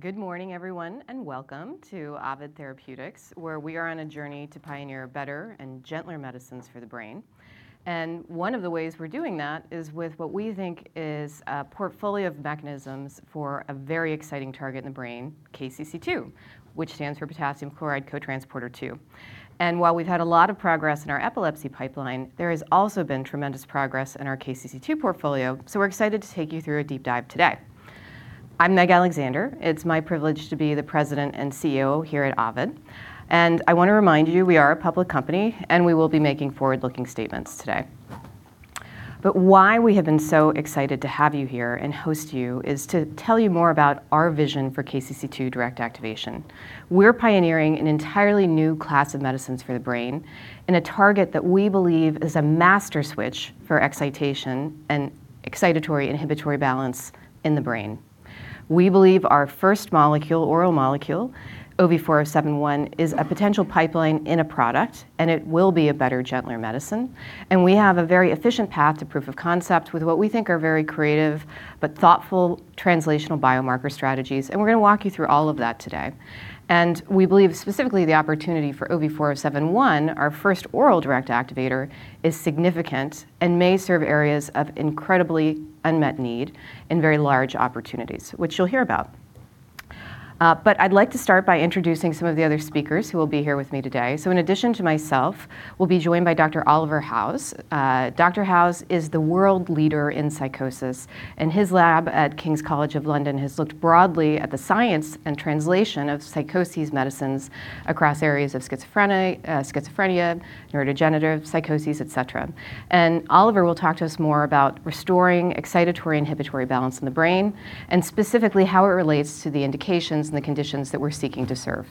Good morning everyone, and welcome to Ovid Therapeutics, where we are on a journey to pioneer better and gentler medicines for the brain. One of the ways we're doing that is with what we think is a portfolio of mechanisms for a very exciting target in the brain, KCC2, which stands for potassium chloride cotransporter 2. While we've had a lot of progress in our epilepsy pipeline, there has also been tremendous progress in our KCC2 portfolio. We're excited to take you through a deep dive today. I'm Meg Alexander. It's my privilege to be the President and CEO here at Ovid, and I want to remind you we are a public company, and we will be making forward-looking statements today. Why we have been so excited to have you here and host you is to tell you more about our vision for KCC2 direct activation. We're pioneering an entirely new class of medicines for the brain and a target that we believe is a master switch for excitation and excitatory/inhibitory balance in the brain. We believe our first molecule, oral molecule, OV4071, is a potential pipeline in a product, and it will be a better, gentler medicine. We have a very efficient path to proof of concept with what we think are very creative but thoughtful translational biomarker strategies. We're going to walk you through all of that today. We believe specifically the opportunity for OV4071, our first oral direct activator, is significant and may serve areas of incredibly unmet need and very large opportunities, which you'll hear about. I'd like to start by introducing some of the other speakers who will be here with me today. In addition to myself, we'll be joined by Dr. Oliver Howes. Dr. Howes is the world leader in psychosis, and his lab at King's College London has looked broadly at the science and translation of psychosis medicines across areas of schizophrenia, neurodegenerative psychosis, et cetera. Oliver will talk to us more about restoring excitatory/inhibitory balance in the brain and specifically how it relates to the indications and the conditions that we're seeking to serve.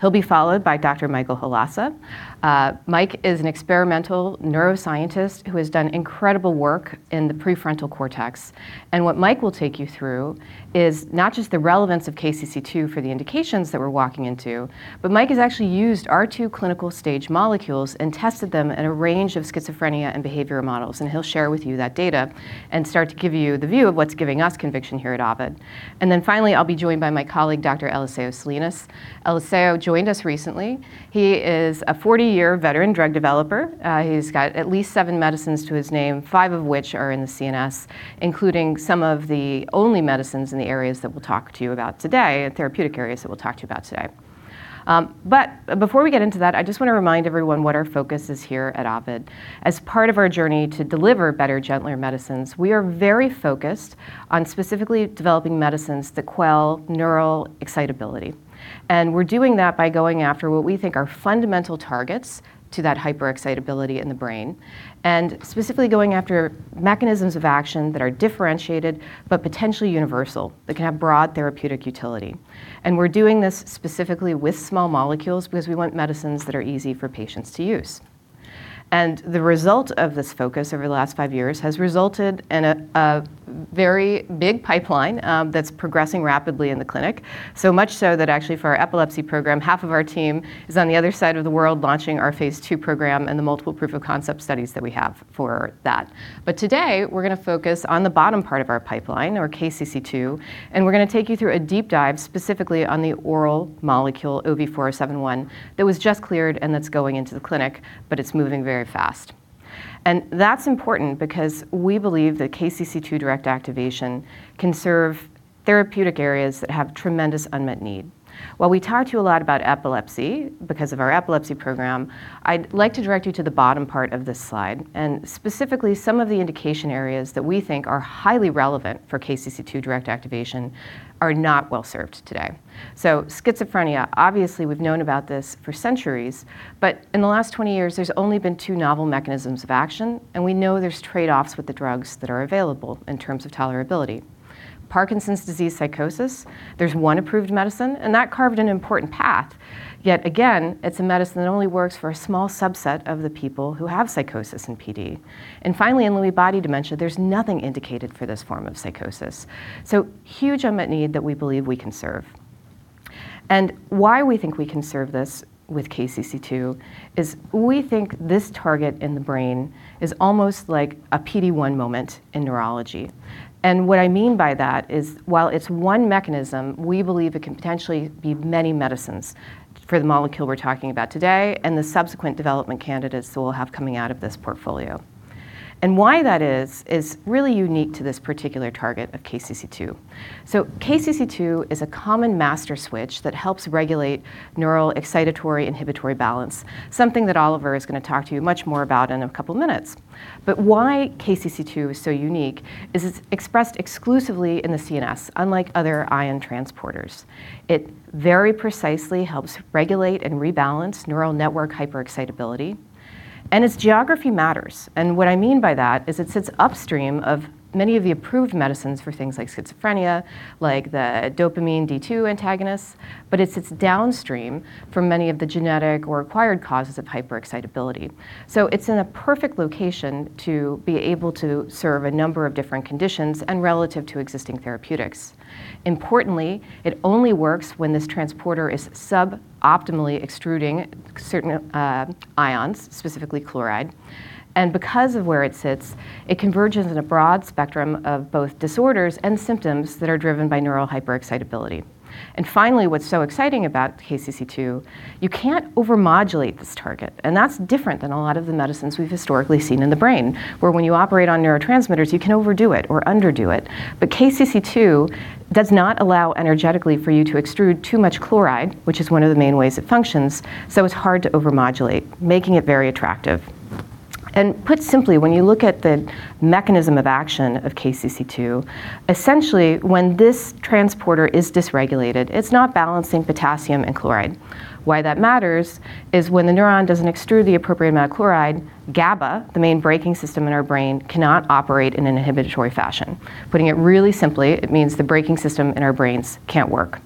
He'll be followed by Dr. Michael Halassa. Mike is an experimental neuroscientist who has done incredible work in the prefrontal cortex. What Mike will take you through is not just the relevance of KCC2 for the indications that we're walking into, but Mike has actually used our two clinical-stage molecules and tested them in a range of schizophrenia and behavioral models. He'll share with you that data and start to give you the view of what's giving us conviction here at Ovid. Finally, I'll be joined by my colleague, Dr. Eliseo O. Salinas. Eliseo joined us recently. He is a 40-year veteran drug developer. He's got at least seven medicines to his name, five of which are in the CNS, including some of the only medicines in the areas that we'll talk to you about today and therapeutic areas that we'll talk to you about today. Before we get into that, I just want to remind everyone what our focus is here at Ovid. As part of our journey to deliver better, gentler medicines, we are very focused on specifically developing medicines that quell neural excitability. We're doing that by going after what we think are fundamental targets to that hyperexcitability in the brain. Specifically going after mechanisms of action that are differentiated but potentially universal, that can have broad therapeutic utility, we're doing this specifically with small molecules because we want medicines that are easy for patients to use. The result of this focus over the last five years has resulted in a very big pipeline that's progressing rapidly in the clinic, so much so that actually for our epilepsy program, half of our team is on the other side of the world launching our phase II program and the multiple proof of concept studies that we have for that. Today, we're going to focus on the bottom part of our pipeline or KCC2, and we're going to take you through a deep dive specifically on the oral molecule, OV4071, that was just cleared and that's going into the clinic, but it's moving very fast. That's important because we believe that KCC2 direct activation can serve therapeutic areas that have tremendous unmet need. While we talk to you a lot about epilepsy because of our epilepsy program, I'd like to direct you to the bottom part of this slide, and specifically some of the indication areas that we think are highly relevant for KCC2 direct activation are not well-served today. Schizophrenia, obviously, we've known about this for centuries, but in the last 20 years, there's only been two novel mechanisms of action, and we know there's trade-offs with the drugs that are available in terms of tolerability. Parkinson's disease psychosis, there's one approved medicine, and that carved an important path. Yet again, it's a medicine that only works for a small subset of the people who have psychosis and PD. Finally, in Lewy body dementia, there's nothing indicated for this form of psychosis. Huge unmet need that we believe we can serve. Why we think we can serve this with KCC2 is we think this target in the brain is almost like a PD-1 moment in neurology. What I mean by that is while it's one mechanism, we believe it can potentially be many medicines for the molecule we're talking about today and the subsequent development candidates that we'll have coming out of this portfolio. Why that is really unique to this particular target of KCC2. KCC2 is a common master switch that helps regulate neural excitatory inhibitory balance, something that Oliver is going to talk to you much more about in a couple of minutes. Why KCC2 is so unique is it's expressed exclusively in the CNS, unlike other ion transporters. It very precisely helps regulate and rebalance neural network hyperexcitability, and its geography matters. What I mean by that is it sits upstream of many of the approved medicines for things like schizophrenia, like the dopamine D2 antagonists, but it sits downstream from many of the genetic or acquired causes of hyperexcitability. It's in a perfect location to be able to serve a number of different conditions and relative to existing therapeutics. Importantly, it only works when this transporter is sub-optimally extruding certain ions, specifically chloride. Because of where it sits, it converges in a broad spectrum of both disorders and symptoms that are driven by neural hyperexcitability. Finally, what's so exciting about KCC2, you can't over-modulate this target, and that's different than a lot of the medicines we've historically seen in the brain, where when you operate on neurotransmitters, you can overdo it or underdo it. KCC2 does not allow energetically for you to extrude too much chloride, which is one of the main ways it functions, so it's hard to over-modulate, making it very attractive. Put simply, when you look at the mechanism of action of KCC2, essentially when this transporter is dysregulated, it's not balancing potassium and chloride. Why that matters is when the neuron doesn't extrude the appropriate amount of chloride, GABA, the main braking system in our brain, cannot operate in an inhibitory fashion. Putting it really simply, it means the braking system in our brains can't work.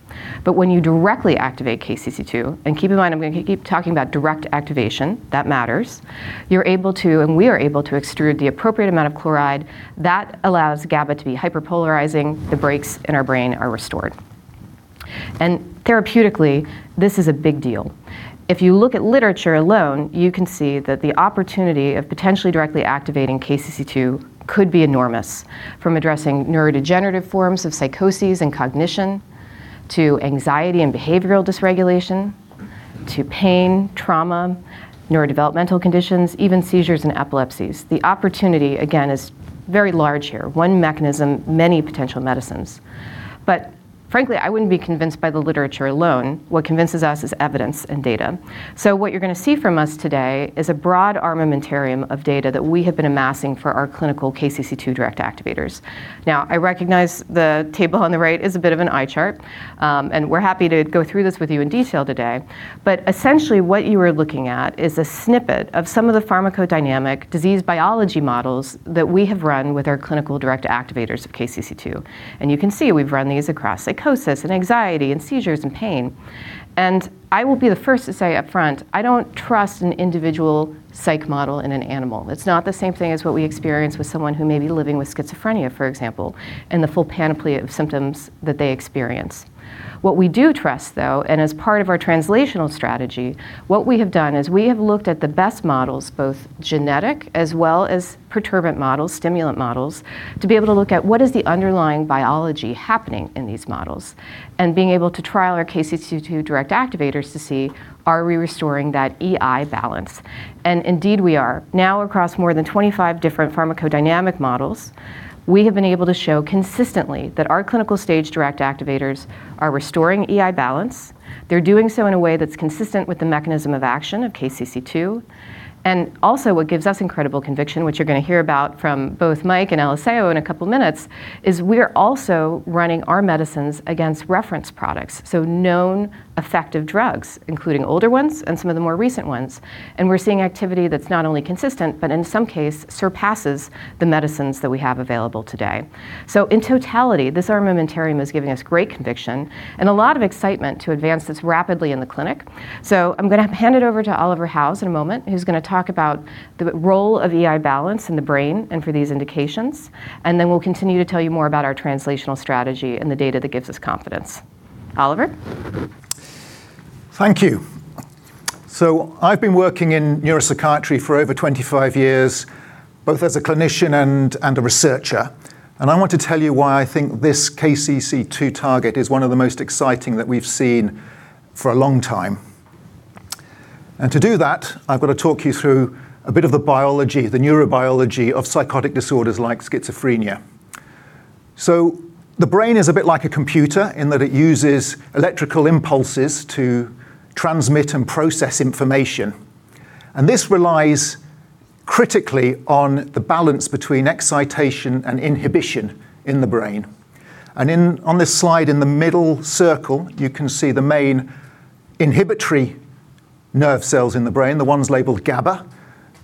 When you directly activate KCC2, and keep in mind, I'm going to keep talking about direct activation, that matters, you're able to, and we are able to extrude the appropriate amount of chloride. That allows GABA to be hyperpolarizing. The brakes in our brain are restored. Therapeutically, this is a big deal. If you look at literature alone, you can see that the opportunity of potentially directly activating KCC2 could be enormous, from addressing neurodegenerative forms of psychoses and cognition, to anxiety and behavioral dysregulation, to pain, trauma, neurodevelopmental conditions, even seizures and epilepsies. The opportunity again is very large here. One mechanism, many potential medicines. Frankly, I wouldn't be convinced by the literature alone. What convinces us is evidence and data. What you're going to see from us today is a broad armamentarium of data that we have been amassing for our clinical KCC2 direct activators. Now, I recognize the table on the right is a bit of an eye chart, and we're happy to go through this with you in detail today. Essentially what you are looking at is a snippet of some of the pharmacodynamic disease biology models that we have run with our clinical direct activators of KCC2. You can see we've run these across psychosis and anxiety and seizures and pain. I will be the first to say upfront, I don't trust an individual psych model in an animal. It's not the same thing as what we experience with someone who may be living with schizophrenia, for example, and the full panoply of symptoms that they experience. What we do trust, though, and as part of our translational strategy, what we have done is we have looked at the best models, both genetic as well as perturbant models, stimulant models, to be able to look at what is the underlying biology happening in these models, and being able to trial our KCC2 direct activators to see are we restoring that E/I balance. Indeed, we are. Now across more than 25 different pharmacodynamic models, we have been able to show consistently that our clinical-stage direct activators are restoring E/I balance. They're doing so in a way that's consistent with the mechanism of action of KCC2. What gives us incredible conviction, which you're going to hear about from both Michael and Eliseo in a couple of minutes, is we are also running our medicines against reference products, so known effective drugs, including older ones and some of the more recent ones. We're seeing activity that's not only consistent, but in some case surpasses the medicines that we have available today. In totality, this armamentarium is giving us great conviction and a lot of excitement to advance this rapidly in the clinic. I'm going to hand it over to Oliver Howes in a moment, who's going to talk about the role of E/I balance in the brain and for these indications. We'll continue to tell you more about our translational strategy and the data that gives us confidence. Oliver. Thank you. I've been working in neuropsychiatry for over 25 years, both as a clinician and a researcher. I want to tell you why I think this KCC2 target is one of the most exciting that we've seen for a long time. To do that, I've got to talk you through a bit of the biology, the neurobiology of psychotic disorders like schizophrenia. The brain is a bit like a computer in that it uses electrical impulses to transmit and process information. This relies critically on the balance between excitation and inhibition in the brain. On this slide in the middle circle, you can see the main inhibitory nerve cells in the brain, the ones labeled GABA,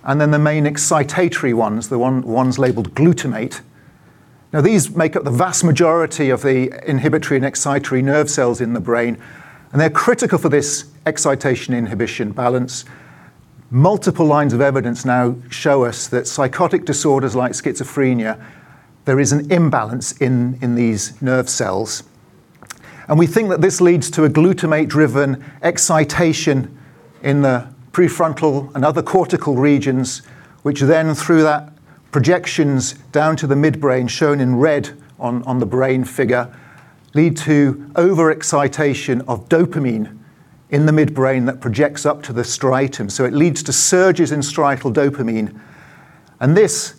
and then the main excitatory ones, the ones labeled glutamate. These make up the vast majority of the inhibitory and excitatory nerve cells in the brain, and they're critical for this excitation inhibition balance. Multiple lines of evidence now show us that psychotic disorders like schizophrenia, there is an imbalance in these nerve cells. We think that this leads to a glutamate-driven excitation in the prefrontal and other cortical regions, which then through that projections down to the midbrain, shown in red on the brain figure, lead to overexcitation of dopamine in the midbrain that projects up to the striatum. It leads to surges in striatal dopamine. This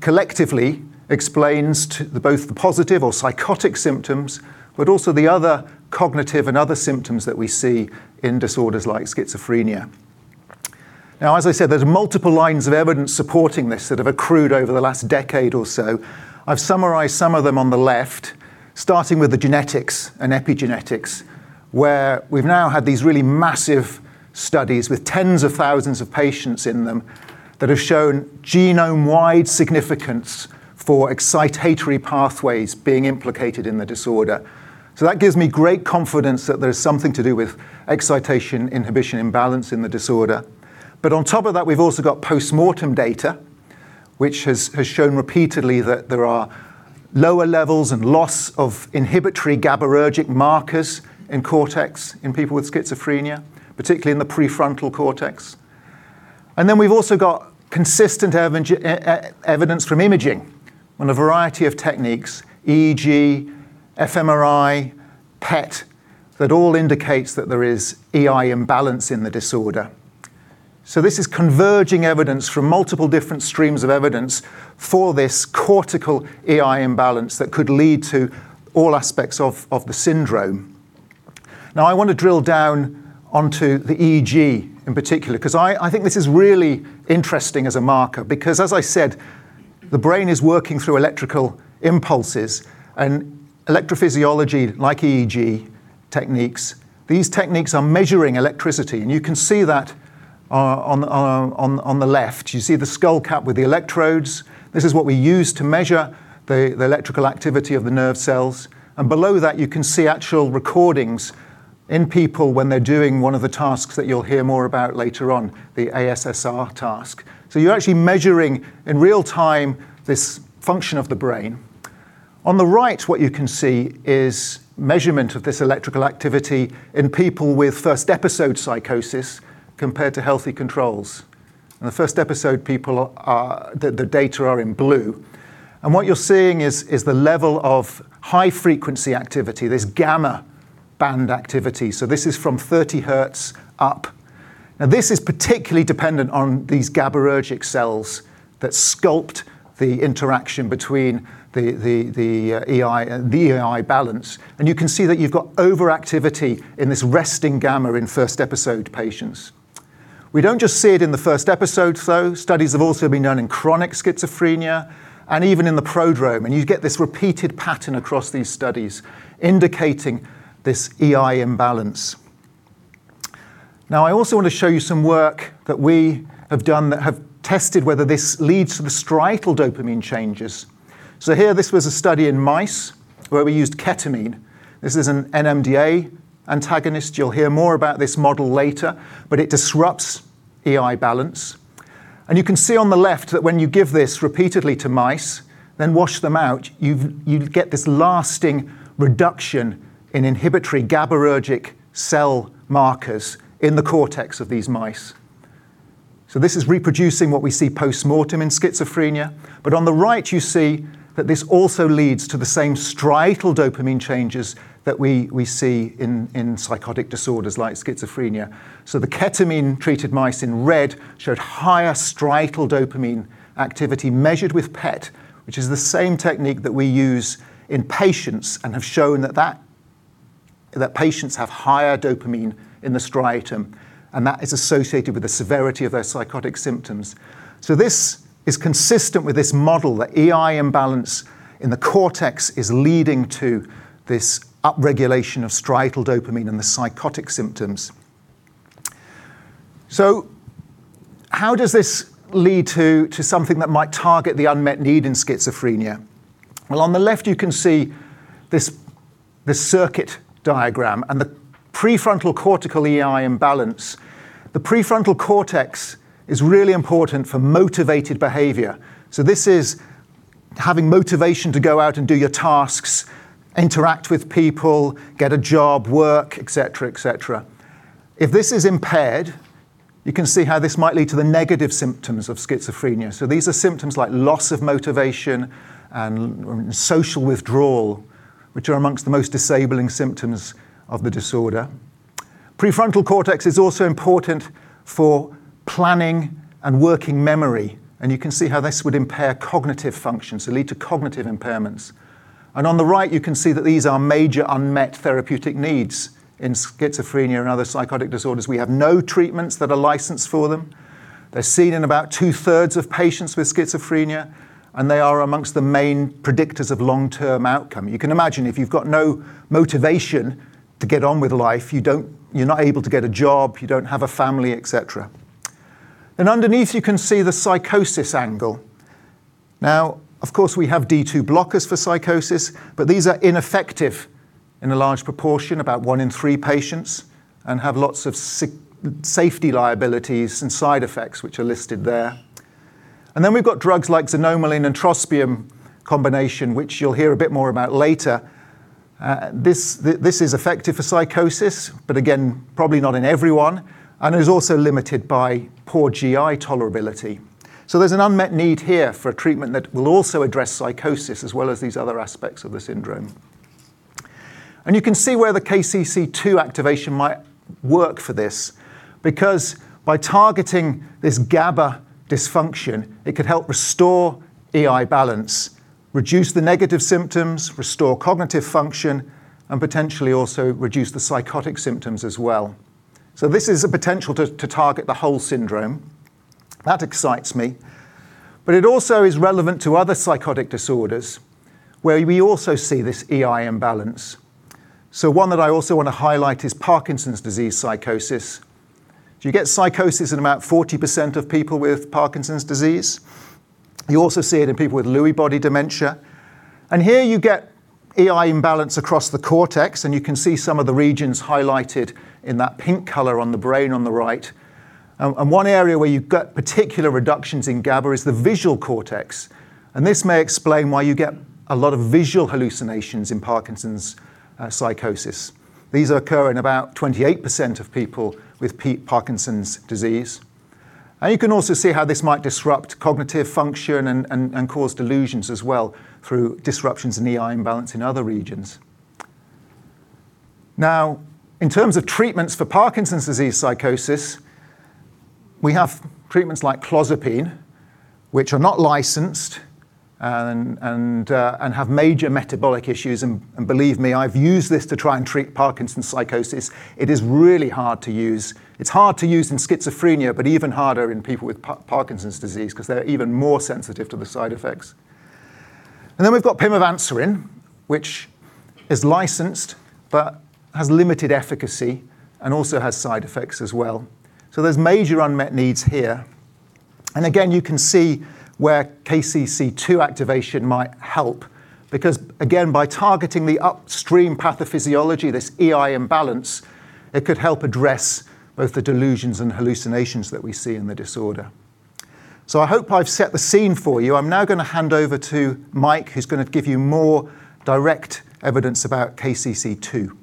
collectively explains both the positive or psychotic symptoms, but also the other cognitive and other symptoms that we see in disorders like schizophrenia. As I said, there's multiple lines of evidence supporting this that have accrued over the last decade or so. I've summarized some of them on the left, starting with the genetics and epigenetics, where we've now had these really massive studies with tens of thousands of patients in them that have shown genome-wide significance for excitatory pathways being implicated in the disorder. That gives me great confidence that there's something to do with excitation inhibition imbalance in the disorder. On top of that, we've also got postmortem data, which has shown repeatedly that there are lower levels and loss of inhibitory GABAergic markers in cortex in people with schizophrenia, particularly in the prefrontal cortex. We've also got consistent evidence from imaging on a variety of techniques, EEG, fMRI, PET, that all indicates that there is E/I imbalance in the disorder. This is converging evidence from multiple different streams of evidence for this cortical E/I imbalance that could lead to all aspects of the syndrome. Now I want to drill down onto the EEG in particular, because I think this is really interesting as a marker, because as I said, the brain is working through electrical impulses and electrophysiology like EEG techniques. These techniques are measuring electricity, and you can see that on the left. You see the skull cap with the electrodes. This is what we use to measure the electrical activity of the nerve cells. Below that, you can see actual recordings in people when they're doing one of the tasks that you'll hear more about later on, the ASSR task. You're actually measuring in real time this function of the brain. On the right, what you can see is measurement of this electrical activity in people with first-episode psychosis compared to healthy controls. In the first episode, people, the data are in blue. What you're seeing is the level of high-frequency activity, this gamma band activity. This is from 30 hertz up. Now, this is particularly dependent on these GABAergic cells that sculpt the interaction between the E/I balance. You can see that you've got overactivity in this resting gamma in first-episode patients. We don't just see it in the first episode, though. Studies have also been done in chronic schizophrenia and even in the prodrome, and you get this repeated pattern across these studies indicating this E/I imbalance. Now, I also want to show you some work that we have done that have tested whether this leads to the striatal dopamine changes. Here, this was a study in mice where we used ketamine. This is an NMDA antagonist. You'll hear more about this model later, but it disrupts E/I balance. You can see on the left that when you give this repeatedly to mice, then wash them out, you get this lasting reduction in inhibitory GABAergic cell markers in the cortex of these mice. This is reproducing what we see postmortem in schizophrenia, but on the right, you see that this also leads to the same striatal dopamine changes that we see in psychotic disorders like schizophrenia. The ketamine-treated mice in red showed higher striatal dopamine activity measured with PET, which is the same technique that we use in patients and have shown that patients have higher dopamine in the striatum, and that is associated with the severity of their psychotic symptoms. This is consistent with this model that E/I imbalance in the cortex is leading to this upregulation of striatal dopamine and the psychotic symptoms. How does this lead to something that might target the unmet need in schizophrenia? Well, on the left, you can see this circuit diagram and the prefrontal cortical E/I imbalance. The prefrontal cortex is really important for motivated behavior. This is having motivation to go out and do your tasks, interact with people, get a job, work, et cetera. If this is impaired, you can see how this might lead to the negative symptoms of schizophrenia. These are symptoms like loss of motivation and social withdrawal, which are amongst the most disabling symptoms of the disorder. Prefrontal cortex is also important for planning and working memory, and you can see how this would impair cognitive function, so lead to cognitive impairments. On the right, you can see that these are major unmet therapeutic needs in schizophrenia and other psychotic disorders. We have no treatments that are licensed for them. They're seen in about 2/3 of patients with schizophrenia, and they are amongst the main predictors of long-term outcome. You can imagine if you've got no motivation to get on with life, you're not able to get a job, you don't have a family, et cetera. Underneath, you can see the psychosis angle. Now, of course, we have D2 blockers for psychosis, but these are ineffective in a large proportion, about 1 in 3 patients, and have lots of safety liabilities and side effects which are listed there. We've got drugs like xanomeline and trospium combination, which you'll hear a bit more about later. This is effective for psychosis, but again, probably not in everyone, and is also limited by poor GI tolerability. There's an unmet need here for a treatment that will also address psychosis as well as these other aspects of the syndrome. You can see where the KCC2 activation might work for this, because by targeting this GABA dysfunction, it could help restore E/I balance, reduce the negative symptoms, restore cognitive function, and potentially also reduce the psychotic symptoms as well. This is a potential to target the whole syndrome. That excites me. It also is relevant to other psychotic disorders where we also see this E/I imbalance. One that I also want to highlight is Parkinson's disease psychosis. You get psychosis in about 40% of people with Parkinson's disease. You also see it in people with Lewy body dementia. Here you get E/I imbalance across the cortex, and you can see some of the regions highlighted in that pink color on the brain on the right. One area where you've got particular reductions in GABA is the visual cortex, and this may explain why you get a lot of visual hallucinations in Parkinson's psychosis. These occur in about 28% of people with Parkinson's disease. You can also see how this might disrupt cognitive function and cause delusions as well through disruptions in E/I imbalance in other regions. Now, in terms of treatments for Parkinson's disease psychosis, we have treatments like clozapine which are not licensed and have major metabolic issues. Believe me, I've used this to try and treat Parkinson's psychosis. It is really hard to use. It's hard to use in schizophrenia, but even harder in people with Parkinson's disease because they're even more sensitive to the side effects. We've got pimavanserin, which is licensed but has limited efficacy and also has side effects as well. There's major unmet needs here. Again, you can see where KCC2 activation might help because again, by targeting the upstream pathophysiology, this E/I imbalance, it could help address both the delusions and hallucinations that we see in the disorder. I hope I've set the scene for you. I'm now going to hand over to Mike, who's going to give you more direct evidence about KCC2.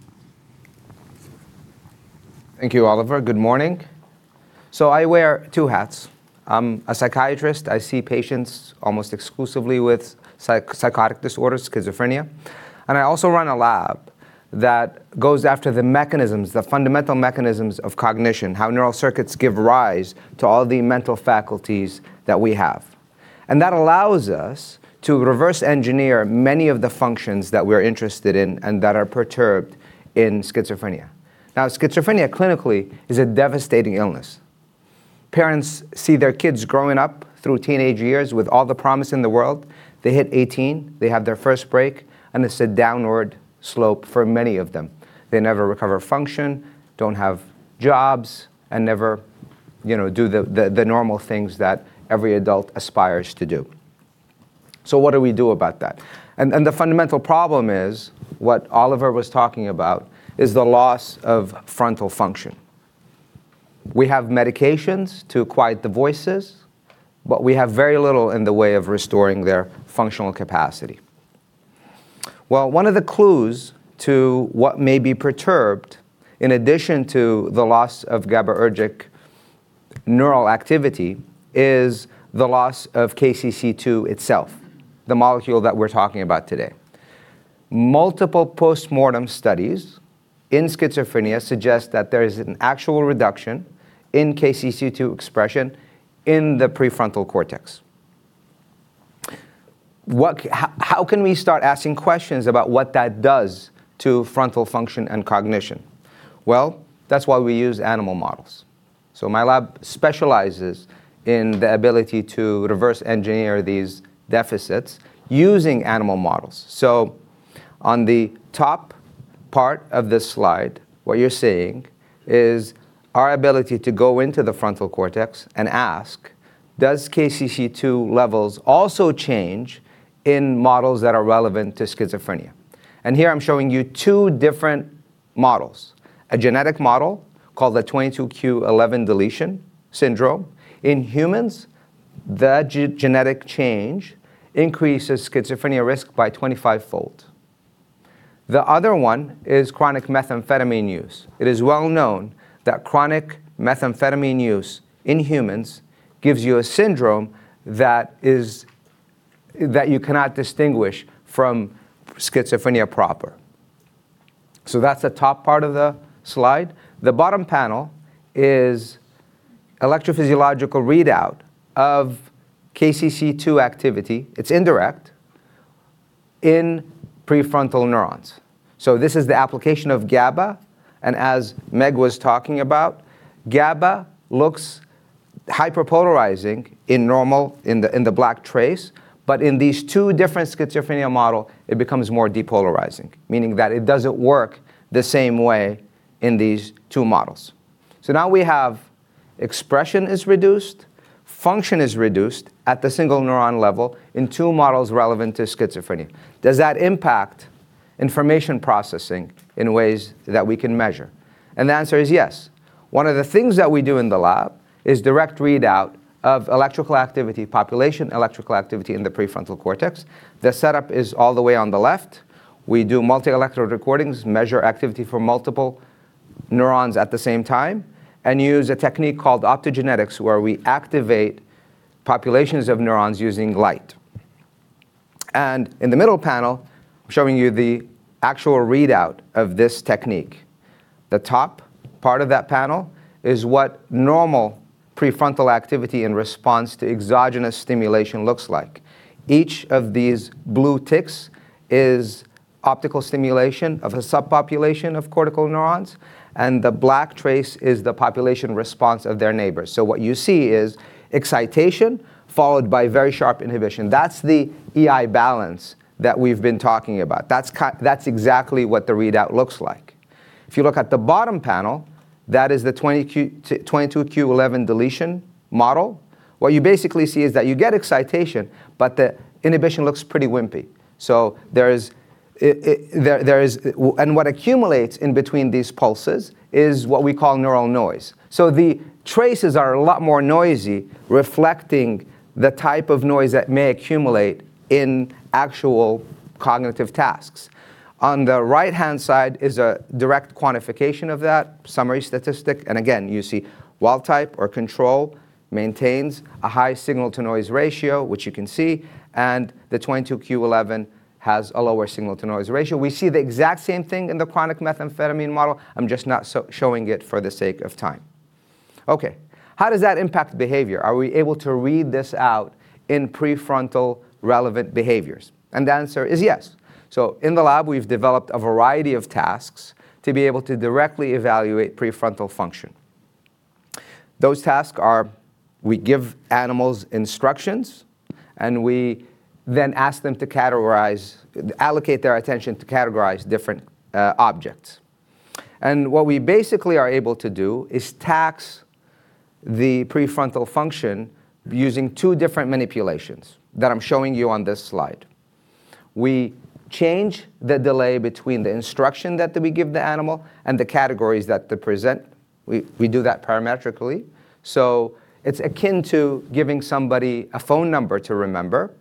Thank you, Oliver. Good morning. I wear two hats. I'm a psychiatrist. I see patients almost exclusively with psychotic disorders, schizophrenia, and I also run a lab that goes after the mechanisms, the fundamental mechanisms of cognition, how neural circuits give rise to all the mental faculties that we have. That allows us to reverse engineer many of the functions that we're interested in and that are perturbed in schizophrenia. Now, schizophrenia clinically is a devastating illness. Parents see their kids growing up through teenage years with all the promise in the world. They hit 18, they have their first break, and it's a downward slope for many of them. They never recover function, don't have jobs, and never do the normal things that every adult aspires to do. What do we do about that? The fundamental problem is what Oliver was talking about, is the loss of frontal function. We have medications to quiet the voices, but we have very little in the way of restoring their functional capacity. Well, one of the clues to what may be perturbed, in addition to the loss of GABAergic neural activity, is the loss of KCC2 itself, the molecule that we're talking about today. Multiple postmortem studies in schizophrenia suggest that there is an actual reduction in KCC2 expression in the prefrontal cortex. How can we start asking questions about what that does to frontal function and cognition? Well, that's why we use animal models. My lab specializes in the ability to reverse engineer these deficits using animal models. On the top part of this slide, what you're seeing is our ability to go into the frontal cortex and ask, "Does KCC2 levels also change in models that are relevant to schizophrenia?" Here I'm showing you two different models, a genetic model called the 22q11 deletion syndrome. In humans, that genetic change increases schizophrenia risk by 25-fold. The other one is chronic methamphetamine use. It is well known that chronic methamphetamine use in humans gives you a syndrome that you cannot distinguish from schizophrenia proper. That's the top part of the slide. The bottom panel is electrophysiological readout of KCC2 activity. It's indirect in prefrontal neurons. This is the application of GABA. As Meg was talking about, GABA looks hyperpolarizing in normal in the black trace. In these two different schizophrenia model, it becomes more depolarizing, meaning that it doesn't work the same way in these two models. Now we have expression is reduced, function is reduced at the single neuron level in two models relevant to schizophrenia. Does that impact information processing in ways that we can measure? The answer is yes. One of the things that we do in the lab is direct readout of electrical activity, population electrical activity in the prefrontal cortex. The setup is all the way on the left. We do multi-electrode recordings, measure activity for multiple neurons at the same time, and use a technique called optogenetics, where we activate populations of neurons using light. In the middle panel, I'm showing you the actual readout of this technique. The top part of that panel is what normal prefrontal activity in response to exogenous stimulation looks like. Each of these blue ticks is optical stimulation of a subpopulation of cortical neurons, and the black trace is the population response of their neighbors. What you see is excitation followed by very sharp inhibition. That's the E/I balance that we've been talking about. That's exactly what the readout looks like. If you look at the bottom panel, that is the 22q11 deletion model. What you basically see is that you get excitation, but the inhibition looks pretty wimpy. What accumulates in between these pulses is what we call neural noise. The traces are a lot more noisy, reflecting the type of noise that may accumulate in actual cognitive tasks. On the right-hand side is a direct quantification of that summary statistic. Again, you see wild-type or control maintains a high signal-to-noise ratio, which you can see. The 22q11 has a lower signal-to-noise ratio. We see the exact same thing in the chronic methamphetamine model. I'm just not showing it for the sake of time. Okay, how does that impact behavior? Are we able to read this out in prefrontal-relevant behaviors? The answer is yes. In the lab, we've developed a variety of tasks to be able to directly evaluate prefrontal function. Those tasks are, we give animals instructions, and we then ask them to allocate their attention to categorize different objects. What we basically are able to do is tax the prefrontal function using two different manipulations that I'm showing you on this slide. We change the delay between the instruction that we give the animal and the categories that they present. We do that parametrically. It's akin to giving somebody a phone number to remember,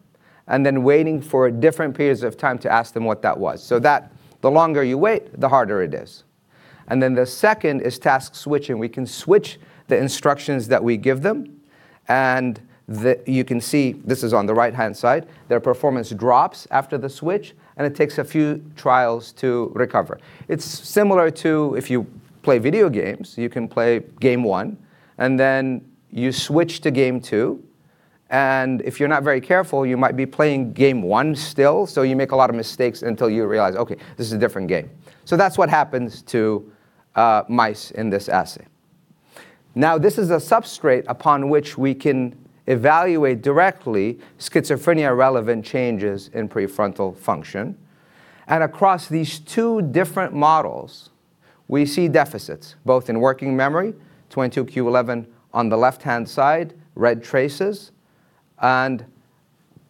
and then waiting for different periods of time to ask them what that was. The longer you wait, the harder it is. The second is task switching. We can switch the instructions that we give them, and you can see, this is on the right-hand side, their performance drops after the switch, and it takes a few trials to recover. It's similar to if you play video games. You can play game one, and then you switch to game two, and if you're not very careful, you might be playing game one still, so you make a lot of mistakes until you realize, okay, this is a different game. That's what happens to mice in this assay. Now, this is a substrate upon which we can evaluate directly schizophrenia-relevant changes in prefrontal function. Across these 2 different models, we see deficits, both in working memory, 22Q11 on the left-hand side, red traces, and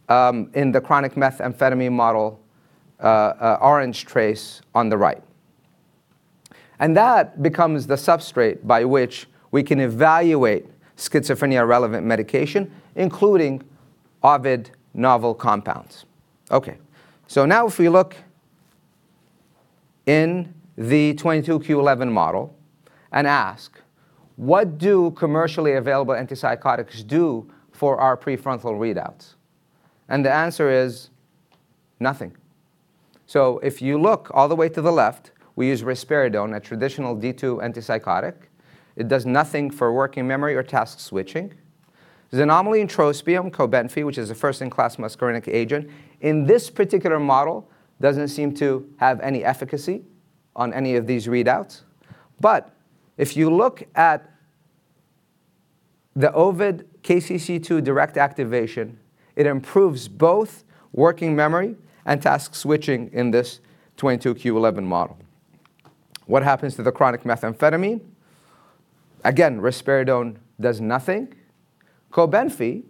in the chronic methamphetamine model, orange trace on the right. That becomes the substrate by which we can evaluate schizophrenia-relevant medication, including Ovid novel compounds. Okay. Now if we look in the 22Q11 model and ask, what do commercially available antipsychotics do for our prefrontal readouts? The answer is nothing. If you look all the way to the left, we use risperidone, a traditional D2 antipsychotic. It does nothing for working memory or task switching. Xanomeline trospium, KarXT, which is a first-in-class muscarinic agent, in this particular model, doesn't seem to have any efficacy on any of these readouts. If you look at the Ovid KCC2 direct activation, it improves both working memory and task switching in this 22q11 model. What happens to the chronic methamphetamine? Again, risperidone does nothing. KarXT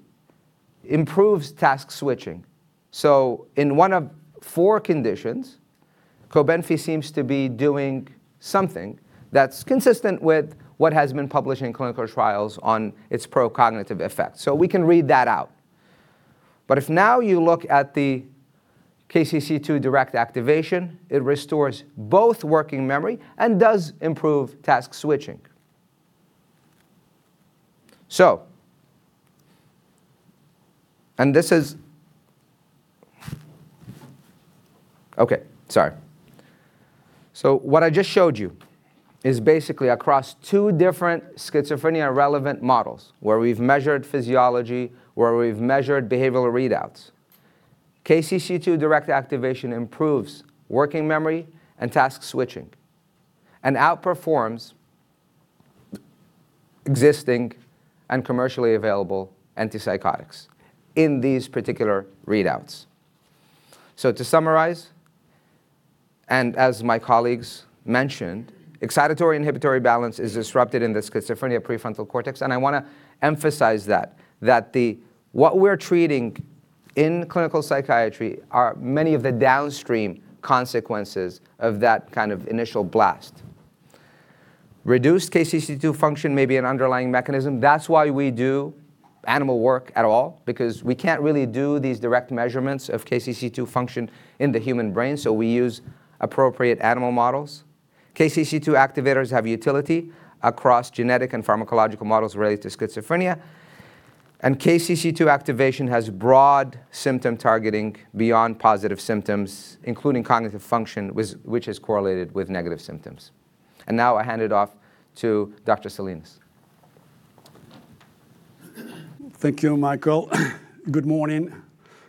improves task switching. In one of four conditions, KarXT seems to be doing something that's consistent with what has been published in clinical trials on its pro-cognitive effect. We can read that out. If now you look at the KCC2 direct activation, it restores both working memory and does improve task switching. Okay, sorry. What I just showed you is basically across two different schizophrenia-relevant models where we've measured physiology, where we've measured behavioral readouts. KCC2 direct activation improves working memory and task switching, and outperforms existing and commercially available antipsychotics in these particular readouts. To summarize, and as my colleagues mentioned, excitatory-inhibitory balance is disrupted in the schizophrenia prefrontal cortex, and I want to emphasize that. That what we're treating in clinical psychiatry are many of the downstream consequences of that kind of initial blast. Reduced KCC2 function may be an underlying mechanism. That's why we do animal work at all, because we can't really do these direct measurements of KCC2 function in the human brain, so we use appropriate animal models. KCC2 activators have utility across genetic and pharmacological models related to schizophrenia. KCC2 activation has broad symptom targeting beyond positive symptoms, including cognitive function, which is correlated with negative symptoms. Now I hand it off to Dr. Salinas. Thank you, Michael. Good morning.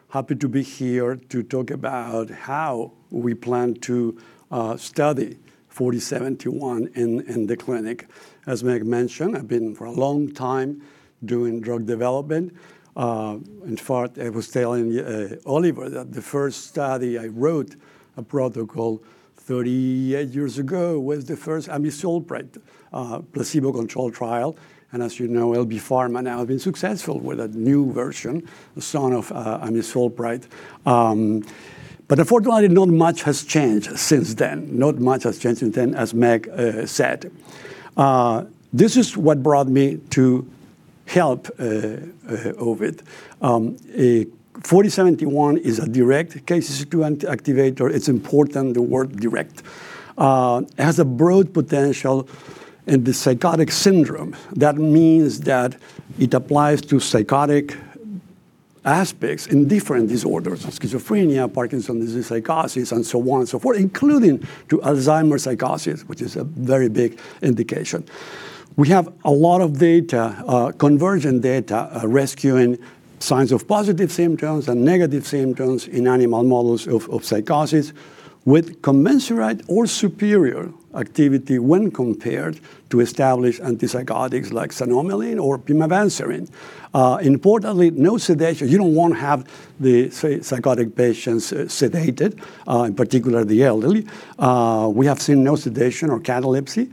Happy to be here to talk about how we plan to study 4071 in the clinic. As Meg mentioned, I've been for a long time doing drug development. In fact, I was telling Oliver that the first study I wrote, a protocol 38 years ago, was the first amisulpride placebo-controlled trial. As you know, Lundbeck Pharma now have been successful with a new version, the son of amisulpride. Unfortunately, not much has changed since then, as Meg said. This is what brought me to help Ovid. 4071 is a direct KCC2 activator. It's important, the word direct. It has a broad potential in the psychotic syndrome. That means that it applies to psychotic aspects in different disorders, schizophrenia, Parkinson's disease, psychosis, and so on and so forth, including to Alzheimer's psychosis, which is a very big indication. We have a lot of data, conversion data, rescuing signs of positive symptoms and negative symptoms in animal models of psychosis with commensurate or superior activity when compared to established antipsychotics like thioridazine or pimavanserin. Importantly, no sedation. You don't want to have the psychotic patients sedated, in particular the elderly. We have seen no sedation or catalepsy.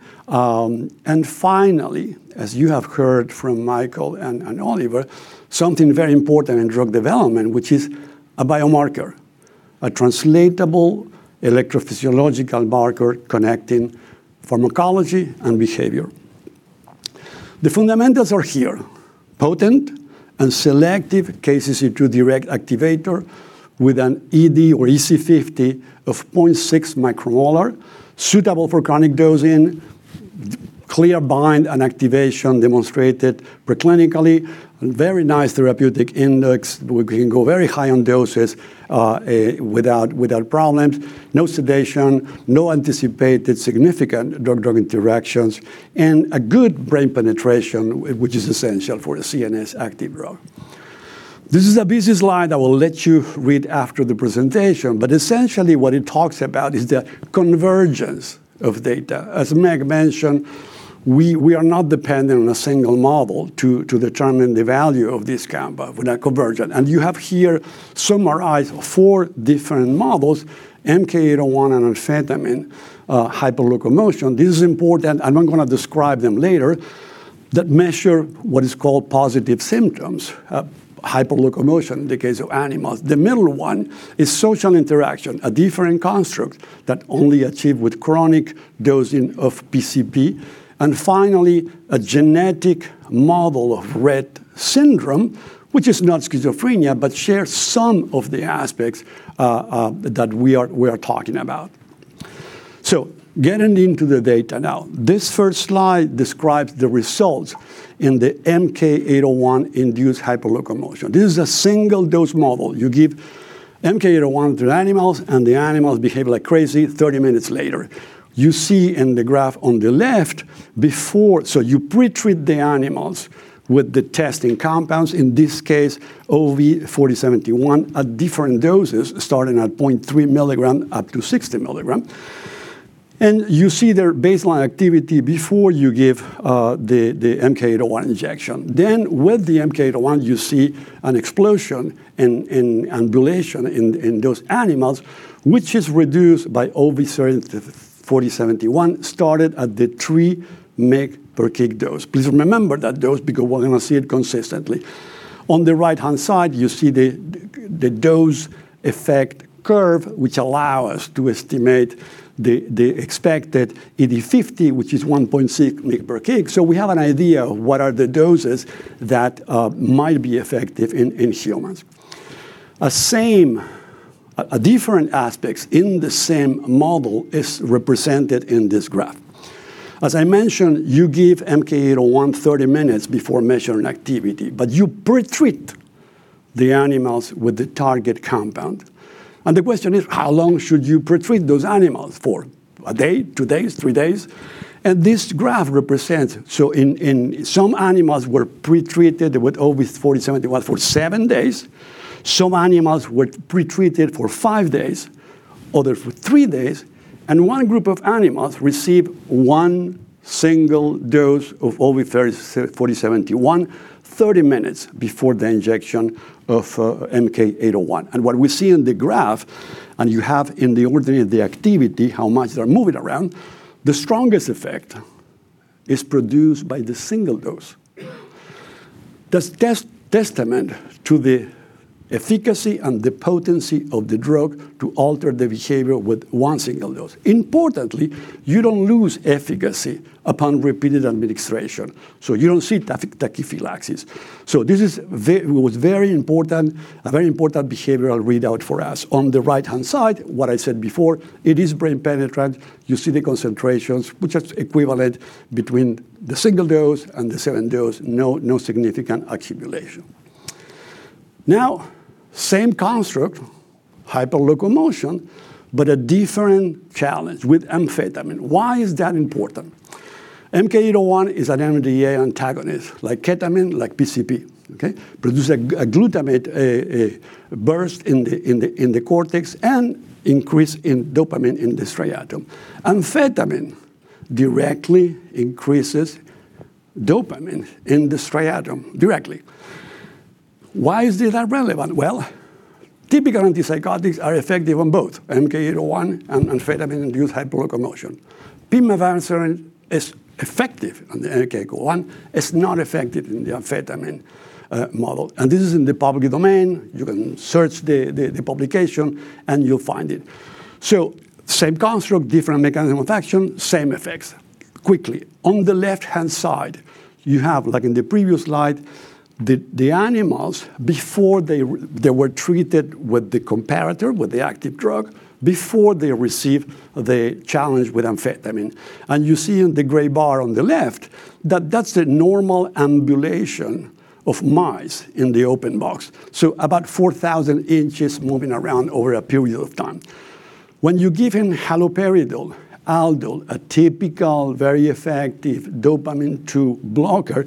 Finally, as you have heard from Michael and Oliver, something very important in drug development, which is a biomarker, a translatable electrophysiological marker connecting pharmacology and behavior. The fundamentals are here. Potent and selective KCC2 direct activator with an ED or EC50 of 0.6 micromolar, suitable for chronic dosing, clear bind and activation demonstrated preclinically, very nice therapeutic index. We can go very high on doses without problems. No sedation. No anticipated significant drug interactions and a good brain penetration, which is essential for a CNS-active drug. This is a busy slide that I will let you read after the presentation, but essentially what it talks about is the convergence of data. As Meg mentioned, we are not dependent on a single model to determine the value of this compound with that convergence. You have here summarized four different models, MK-801 and amphetamine, hyperlocomotion. This is important, and I'm going to describe them later, that measure what is called positive symptoms, hyperlocomotion in the case of animals. The middle one is social interaction, a different construct that only achieved with chronic dosing of PCP. Finally, a genetic model of Rett syndrome, which is not schizophrenia, but shares some of the aspects that we are talking about. Getting into the data now. This first slide describes the results in the MK-801 induced hyperlocomotion. This is a single dose model. You give MK-801 to animals, and the animals behave like crazy 30 minutes later. You see in the graph on the left before. You pretreat the animals with the testing compounds, in this case OV4071 at different doses starting at 0.3 milligram up to 60 milligram. You see their baseline activity before you give the MK-801 injection. With the MK-801, you see an explosion and ambulation in those animals, which is reduced by OV4071 started at the 3 mg/kg dose. Please remember that dose because we're going to see it consistently. On the right-hand side, you see the dose-effect curve, which allow us to estimate the expected ED50, which is 1.6 mg/kg. We have an idea what are the doses that might be effective in humans. Different aspects in the same model is represented in this graph. As I mentioned, you give MK-801 30 minutes before measuring activity, but you pretreat the animals with the target compound. The question is, how long should you pretreat those animals for? A day, two days, three days? This graph represents some animals were pretreated with OV4071 for seven days. Some animals were pretreated for five days, others for three days, and one group of animals received one single dose of OV4071 30 minutes before the injection of MK-801. What we see in the graph, and you have in the order of the activity how much they're moving around, the strongest effect is produced by the single dose. That's testament to the efficacy and the potency of the drug to alter the behavior with one single dose. Importantly, you don't lose efficacy upon repeated administration. You don't see tachyphylaxis. This was a very important behavioral readout for us. On the right-hand side, what I said before, it is brain penetrant. You see the concentrations which are equivalent between the single dose and the seven dose. No significant accumulation. Now, same construct, hyperlocomotion, but a different challenge with amphetamine. Why is that important? MK-801 is an NMDA antagonist, like ketamine, like PCP, okay? Produce a glutamate burst in the cortex and increase in dopamine in the striatum. Amphetamine directly increases dopamine in the striatum. Directly. Why is that relevant? Well, typical antipsychotics are effective on both MK-801 and amphetamine induced hyperlocomotion. Pimavanserin is effective on the MK-801. It's not effective in the amphetamine model. This is in the public domain. You can search the publication, and you'll find it. Same construct, different mechanism of action, same effects. Quickly. On the left-hand side, you have, like in the previous slide, the animals before they were treated with the comparator, with the active drug before they receive the challenge with amphetamine. You see in the gray bar on the left that that's the normal ambulation of mice in the open box. About 4,000 inches moving around over a period of time. When you give him haloperidol, Haldol, a typical, very effective dopamine 2 blocker,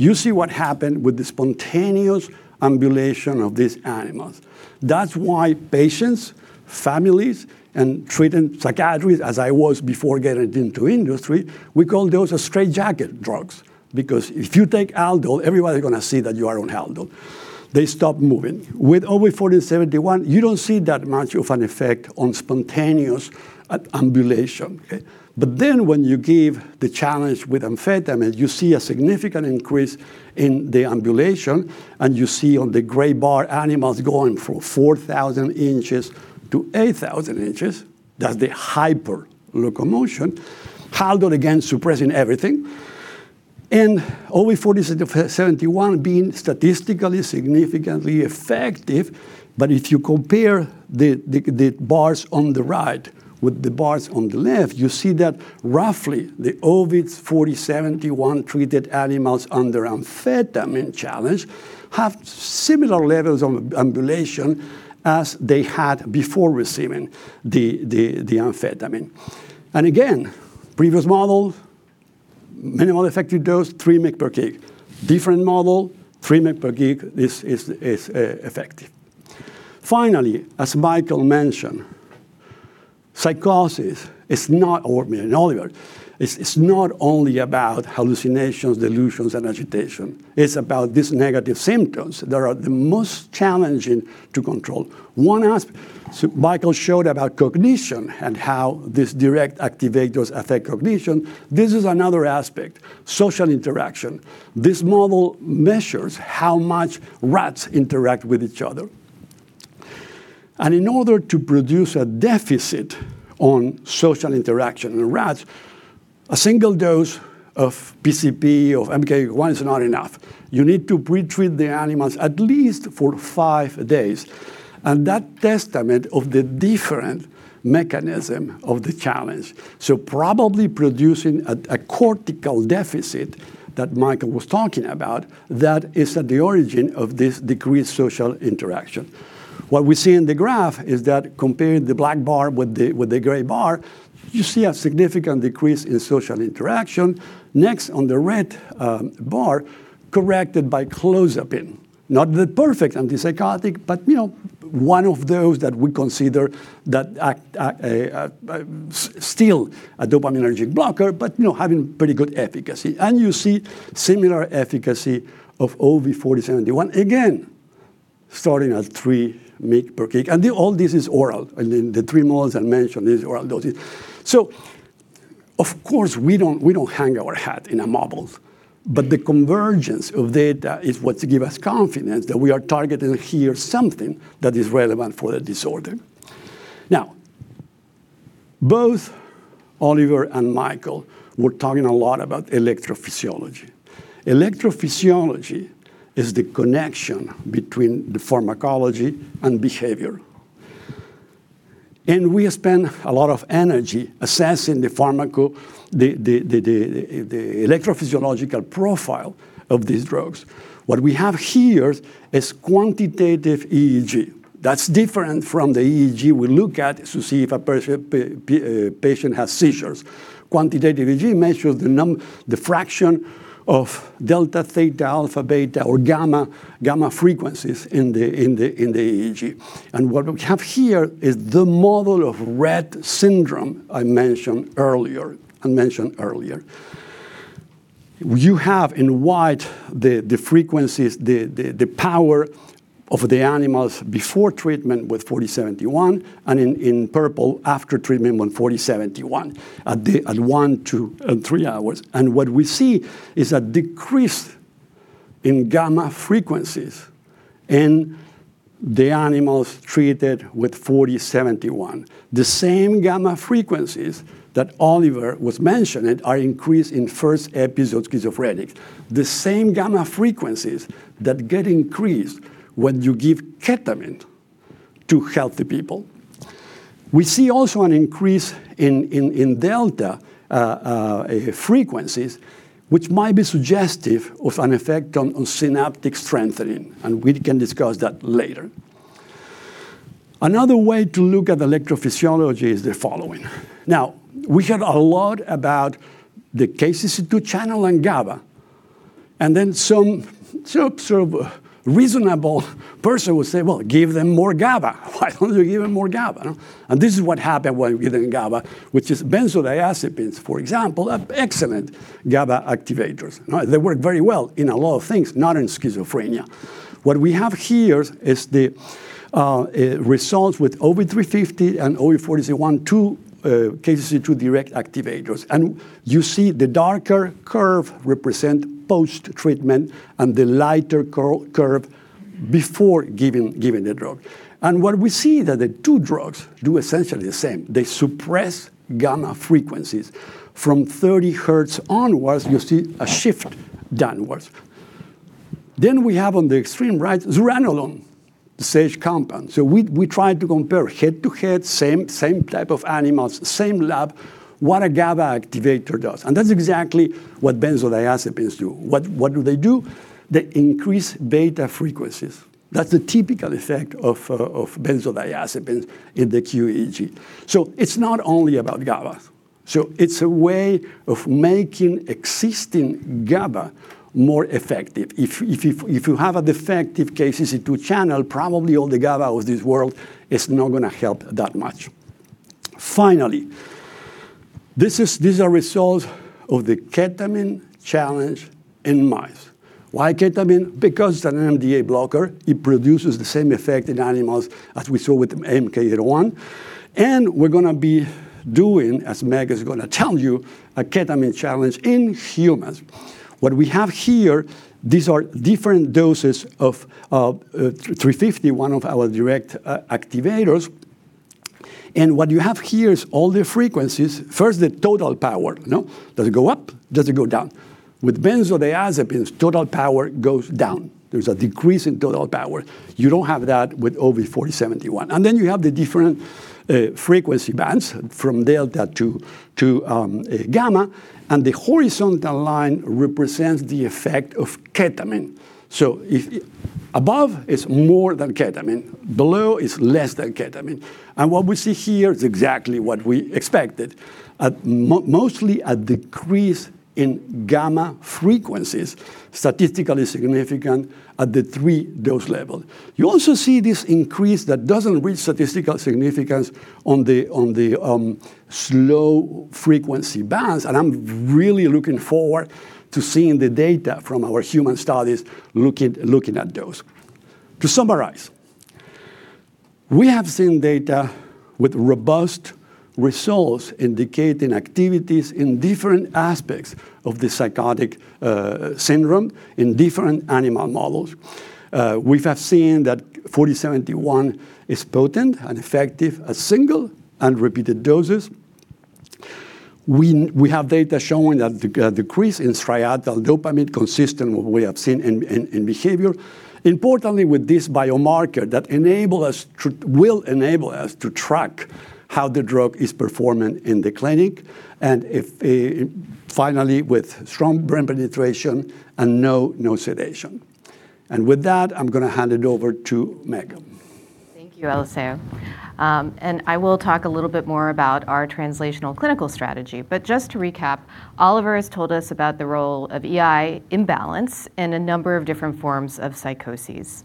you see what happened with the spontaneous ambulation of these animals. That's why patients, families, and treating psychiatrists as I was before getting into industry, we call those straitjacket drugs. Because if you take Haldol, everybody's going to see that you are on Haldol. They stop moving. With OV4071, you don't see that much of an effect on spontaneous ambulation. When you give the challenge with amphetamine, you see a significant increase in the ambulation, and you see on the gray bar, animals going from 4,000 inches-8,000 inches. That's the hyperlocomotion. Haldol, again, suppressing everything. OV4071 being statistically significantly effective. If you compare the bars on the right with the bars on the left, you see that roughly the OV4071-treated animals under amphetamine challenge have similar levels of ambulation as they had before receiving the amphetamine. Again, previous model, minimal effective dose, 3 mg per kg. Different model, 3 mg per kg is effective. Finally, as Michael mentioned, psychosis, or me and Oliver. It's not only about hallucinations, delusions, and agitation. It's about these negative symptoms that are the most challenging to control. One aspect Michael showed about cognition and how these direct activators affect cognition. This is another aspect, social interaction. This model measures how much rats interact with each other. And in order to produce a deficit on social interaction in rats, a single dose of PCP, of MK-81 is not enough. You need to pretreat the animals at least for five days. And that testament of the different mechanism of the challenge. So probably producing a cortical deficit that Michael was talking about that is at the origin of this decreased social interaction. What we see in the graph is that comparing the black bar with the gray bar, you see a significant decrease in social interaction. Next, on the red bar, corrected by clozapine, not the perfect antipsychotic, but one of those that we consider that act still a dopaminergic blocker, but having pretty good efficacy. And you see similar efficacy of OV4071, again, starting at three mg per kg. And all this is oral. The three models I mentioned, these oral doses. Of course, we don't hang our hat on the models, but the convergence of data is what give us confidence that we are targeting here something that is relevant for the disorder. Now, both Oliver and Michael were talking a lot about electrophysiology. Electrophysiology is the connection between the pharmacology and behavior. We spend a lot of energy assessing the electrophysiological profile of these drugs. What we have here is quantitative EEG. That's different from the EEG we look at to see if a patient has seizures. Quantitative EEG measures the fraction of delta, theta, alpha, beta, or gamma frequencies in the EEG. What we have here is the model of Rett syndrome I mentioned earlier. You have in white the frequencies, the power of the animals before treatment with 4071, and in purple after treatment with 4071, at one, two, and three hours. What we see is a decrease in gamma frequencies in the animals treated with 4071. The same gamma frequencies that Oliver was mentioning are increased in first-episode schizophrenics, the same gamma frequencies that get increased when you give ketamine to healthy people. We see also an increase in delta frequencies, which might be suggestive of an effect on synaptic strengthening, and we can discuss that later. Another way to look at electrophysiology is the following. Now, we heard a lot about the KCC2 channel and GABA, and then some reasonable person would say, well, give them more GABA. Why don't you give them more GABA? This is what happened when giving GABA, which is benzodiazepines, for example, are excellent GABA activators. They work very well in a lot of things, not in schizophrenia. What we have here is the results with OV350 and OV4071, two KCC2 direct activators. You see the darker curve represent post-treatment and the lighter curve before giving the drug. What we see that the two drugs do essentially the same. They suppress gamma frequencies. From 30 Hz onwards, you see a shift downwards. We have on the extreme right zuranolone, the Sage compound. We tried to compare head-to-head, same type of animals, same lab, what a GABA activator does. That's exactly what benzodiazepines do. What do they do? They increase beta frequencies. That's the typical effect of benzodiazepines in the QEEG. It's not only about GABA. It's a way of making existing GABA more effective. If you have a defective KCC2 channel, probably all the GABA of this world is not going to help that much. Finally, these are results of the ketamine challenge in mice. Why ketamine? Because it's an NMDA blocker. It produces the same effect in animals as we saw with the MK-801. We're going to be doing, as Meg is going to tell you, a ketamine challenge in humans. What we have here, these are different doses of OV350, one of our direct activators. What you have here is all the frequencies. First, the total power. No? Does it go up? Does it go down? With benzodiazepines, total power goes down. There's a decrease in total power. You don't have that with OV4071. You have the different frequency bands from delta to gamma, and the horizontal line represents the effect of ketamine. Above is more than ketamine, below is less than ketamine. What we see here is exactly what we expected, mostly a decrease in gamma frequencies, statistically significant at the three dose level. You also see this increase that doesn't reach statistical significance on the slow frequency bands. I'm really looking forward to seeing the data from our human studies looking at dose. To summarize, we have seen data with robust results indicating activities in different aspects of the psychotic syndrome in different animal models. We have seen that 4071 is potent and effective as single and repeated doses. We have data showing that the decrease in striatal dopamine consistent with what we have seen in behavior. Importantly, with this biomarker that will enable us to track how the drug is performing in the clinic, and finally, with strong brain penetration and no sedation. With that, I'm going to hand it over to Meg. Thank you, Eliseo. I will talk a little bit more about our translational clinical strategy. Just to recap, Oliver has told us about the role of E/I balance in a number of different forms of psychoses.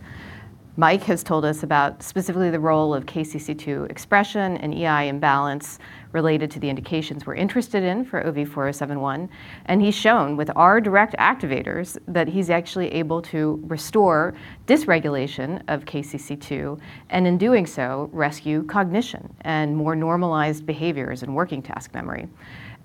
Mike has told us about specifically the role of KCC2 expression and E/I balance related to the indications we're interested in for OV4071. He's shown with our direct activators that he's actually able to restore dysregulation of KCC2, and in doing so, rescue cognition and more normalized behaviors and working task memory.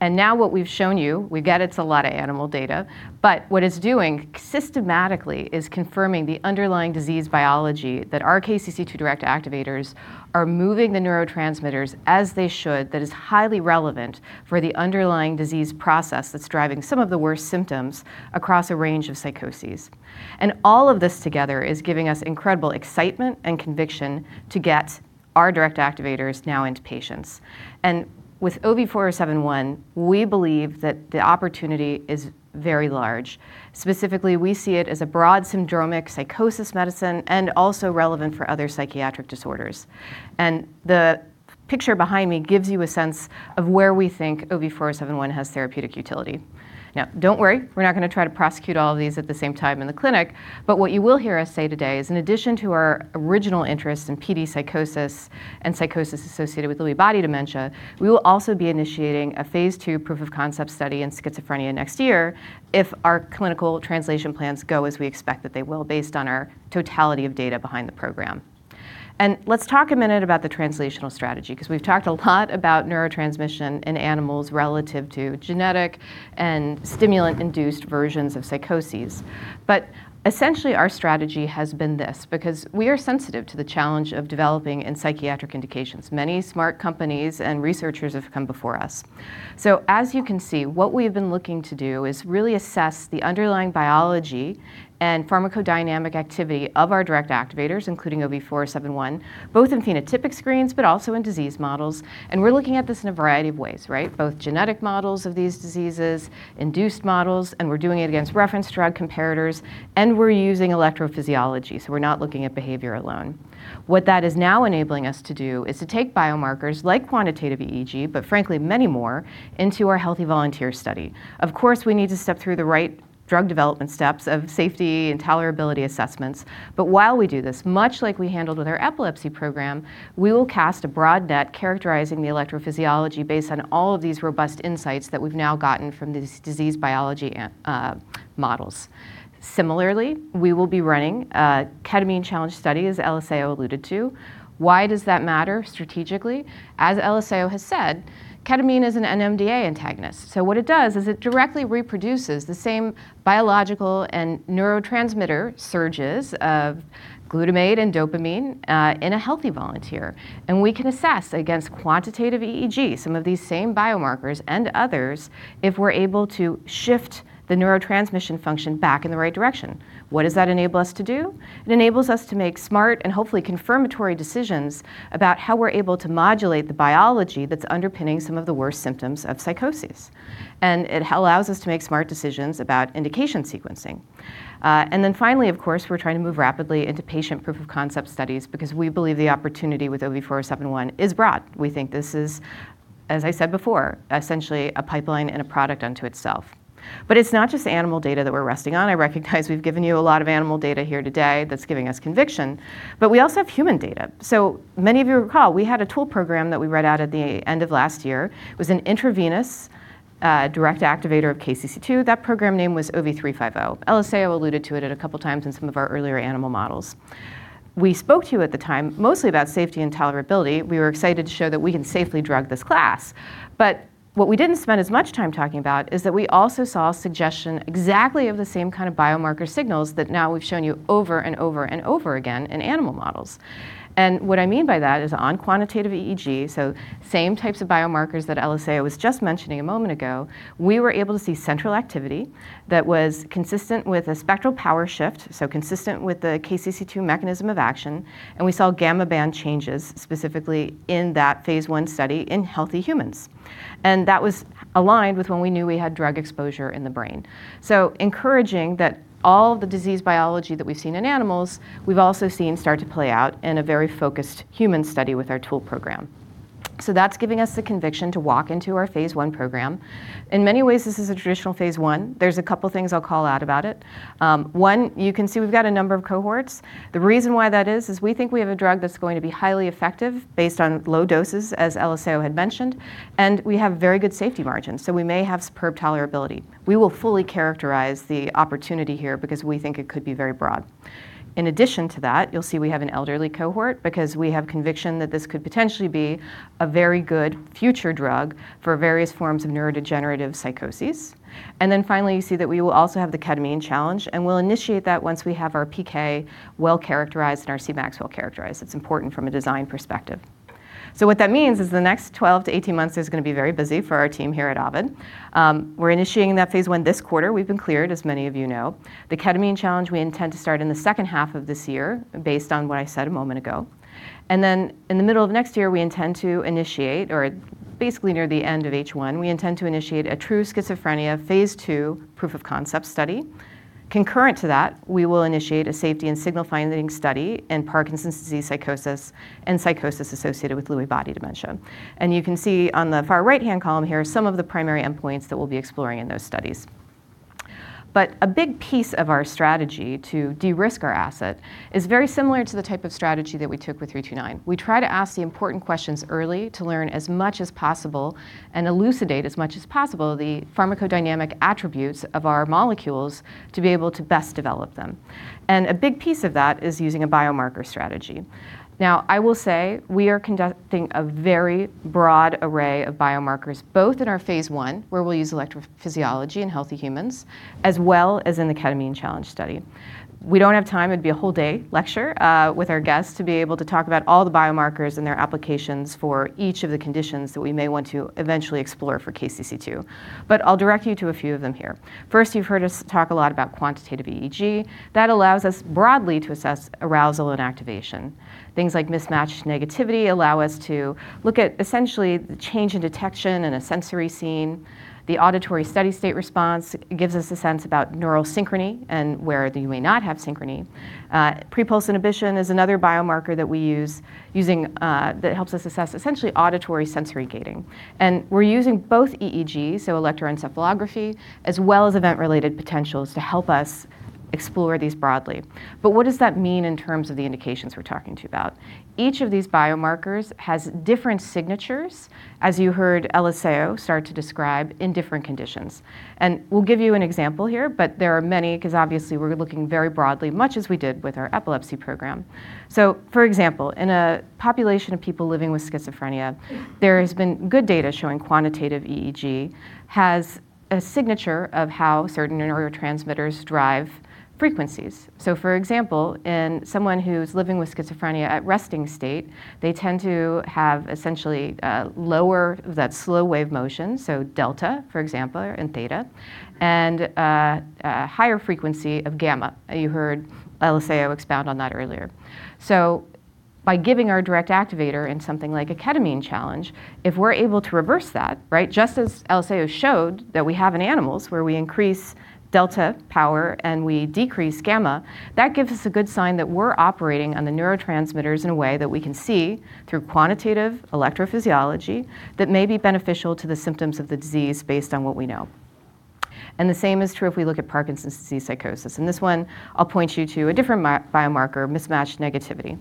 Now what we've shown you, we get it's a lot of animal data, but what it's doing systematically is confirming the underlying disease biology that our KCC2 direct activators are moving the neurotransmitters as they should, that is highly relevant for the underlying disease process that's driving some of the worst symptoms across a range of psychoses. All of this together is giving us incredible excitement and conviction to get our direct activators now into patients. With OV4071, we believe that the opportunity is very large. Specifically, we see it as a broad syndromic psychosis medicine and also relevant for other psychiatric disorders. The picture behind me gives you a sense of where we think OV4071 has therapeutic utility. Now, don't worry, we're not going to try to prosecute all of these at the same time in the clinic, but what you will hear us say today is, in addition to our original interest in PD psychosis and psychosis associated with Lewy body dementia, we will also be initiating a phase II proof of concept study in schizophrenia next year if our clinical translation plans go as we expect that they will, based on our totality of data behind the program. Let's talk a minute about the translational strategy, because we've talked a lot about neurotransmission in animals relative to genetic and stimulant-induced versions of psychoses. Essentially our strategy has been this, because we are sensitive to the challenge of developing in psychiatric indications. Many smart companies and researchers have come before us. As you can see, what we have been looking to do is really assess the underlying biology and pharmacodynamic activity of our direct activators, including OV4071, both in phenotypic screens, but also in disease models. We're looking at this in a variety of ways, right? Both genetic models of these diseases, induced models, and we're doing it against reference drug comparators, and we're using electrophysiology. We're not looking at behavior alone. What that is now enabling us to do is to take biomarkers like quantitative EEG, but frankly, many more, into our healthy volunteer study. Of course, we need to step through the right drug development steps of safety and tolerability assessments. While we do this, much like we handled with our epilepsy program, we will cast a broad net characterizing the electrophysiology based on all of these robust insights that we've now gotten from these disease biology models. Similarly, we will be running a ketamine challenge study, as Eliseo alluded to. Why does that matter strategically? As Eliseo has said, ketamine is an NMDA antagonist. What it does is it directly reproduces the same biological and neurotransmitter surges of glutamate and dopamine in a healthy volunteer. We can assess against quantitative EEG, some of these same biomarkers and others, if we're able to shift the neurotransmission function back in the right direction. What does that enable us to do? It enables us to make smart and hopefully confirmatory decisions about how we're able to modulate the biology that's underpinning some of the worst symptoms of psychosis. It allows us to make smart decisions about indication sequencing. Finally, of course, we're trying to move rapidly into patient proof of concept studies because we believe the opportunity with OV4071 is broad. We think this is, as I said before, essentially a pipeline and a product unto itself. It's not just animal data that we're resting on. I recognize we've given you a lot of animal data here today that's giving us conviction, but we also have human data. Many of you recall we had a tool program that we read out at the end of last year. It was an intravenous, direct activator of KCC2. That program name was OV350. Eliseo alluded to it a couple of times in some of our earlier animal models. We spoke to you at the time mostly about safety and tolerability. We were excited to show that we can safely drug this class. What we didn't spend as much time talking about is that we also saw a suggestion exactly of the same kind of biomarker signals that now we've shown you over and over and over again in animal models. What I mean by that is on quantitative EEG, same types of biomarkers that Eliseo was just mentioning a moment ago. We were able to see central activity that was consistent with a spectral power shift, so consistent with the KCC2 mechanism of action. And we saw gamma band changes specifically in that phase one study in healthy humans. And that was aligned with when we knew we had drug exposure in the brain. So encouraging that all the disease biology that we've seen in animals, we've also seen start to play out in a very focused human study with our tool program. So that's giving us the conviction to walk into our phase one program. In many ways, this is a traditional phase one. There's a couple things I'll call out about it. One, you can see we've got a number of cohorts. The reason why that is we think we have a drug that's going to be highly effective based on low doses, as Eliseo had mentioned. We have very good safety margins. We may have superb tolerability. We will fully characterize the opportunity here because we think it could be very broad. In addition to that, you'll see we have an elderly cohort because we have conviction that this could potentially be a very good future drug for various forms of neurodegenerative psychoses. Finally, you see that we will also have the ketamine challenge, and we'll initiate that once we have our PK well-characterized and our Cmax well-characterized. It's important from a design perspective. What that means is the next 12-18 months is going to be very busy for our team here at Ovid. We're initiating that phase I this quarter. We've been cleared as many of you know. The ketamine challenge, we intend to start in the second half of this year based on what I said a moment ago. In the middle of next year, we intend to initiate or basically near the end of H1, we intend to initiate a true schizophrenia phase II proof of concept study. Concurrent to that, we will initiate a safety and signal finding study in Parkinson's disease psychosis and psychosis associated with Lewy body dementia. You can see on the far right-hand column here some of the primary endpoints that we'll be exploring in those studies. A big piece of our strategy to de-risk our asset is very similar to the type of strategy that we took with OV329. We try to ask the important questions early to learn as much as possible and elucidate as much as possible the pharmacodynamic attributes of our molecules to be able to best develop them. A big piece of that is using a biomarker strategy. Now, I will say we are conducting a very broad array of biomarkers, both in our phase I, where we'll use electrophysiology in healthy humans, as well as in the ketamine challenge study. We don't have time. It'd be a whole day lecture with our guests to be able to talk about all the biomarkers and their applications for each of the conditions that we may want to eventually explore for KCC2. I'll direct you to a few of them here. First, you've heard us talk a lot about quantitative EEG. That allows us broadly to assess arousal and activation. Things like mismatched negativity allow us to look at essentially the change in detection in a sensory scene. The auditory steady state response gives us a sense about neural synchrony and where you may not have synchrony. Pre-pulse inhibition is another biomarker that we use that helps us assess essentially auditory sensory gating. And we're using both EEGs, so electroencephalography, as well as event-related potentials to help us explore these broadly. But what does that mean in terms of the indications we're talking to you about? Each of these biomarkers has different signatures, as you heard Eliseo start to describe in different conditions. And we'll give you an example here, but there are many because obviously we're looking very broadly, much as we did with our epilepsy program. For example, in a population of people living with schizophrenia, there has been good data showing quantitative EEG has a signature of how certain neurotransmitters drive frequencies. For example, in someone who's living with schizophrenia at resting state, they tend to have essentially lower that slow wave motion. Delta, for example, and theta, and a higher frequency of gamma. You heard Eliseo expound on that earlier. By giving our direct activator in something like a ketamine challenge, if we're able to reverse that, right, just as Eliseo showed that we have in animals where we increase delta power and we decrease gamma, that gives us a good sign that we're operating on the neurotransmitters in a way that we can see through quantitative electrophysiology that may be beneficial to the symptoms of the disease based on what we know. The same is true if we look at Parkinson's disease psychosis. This one, I'll point you to a different biomarker, mismatch negativity.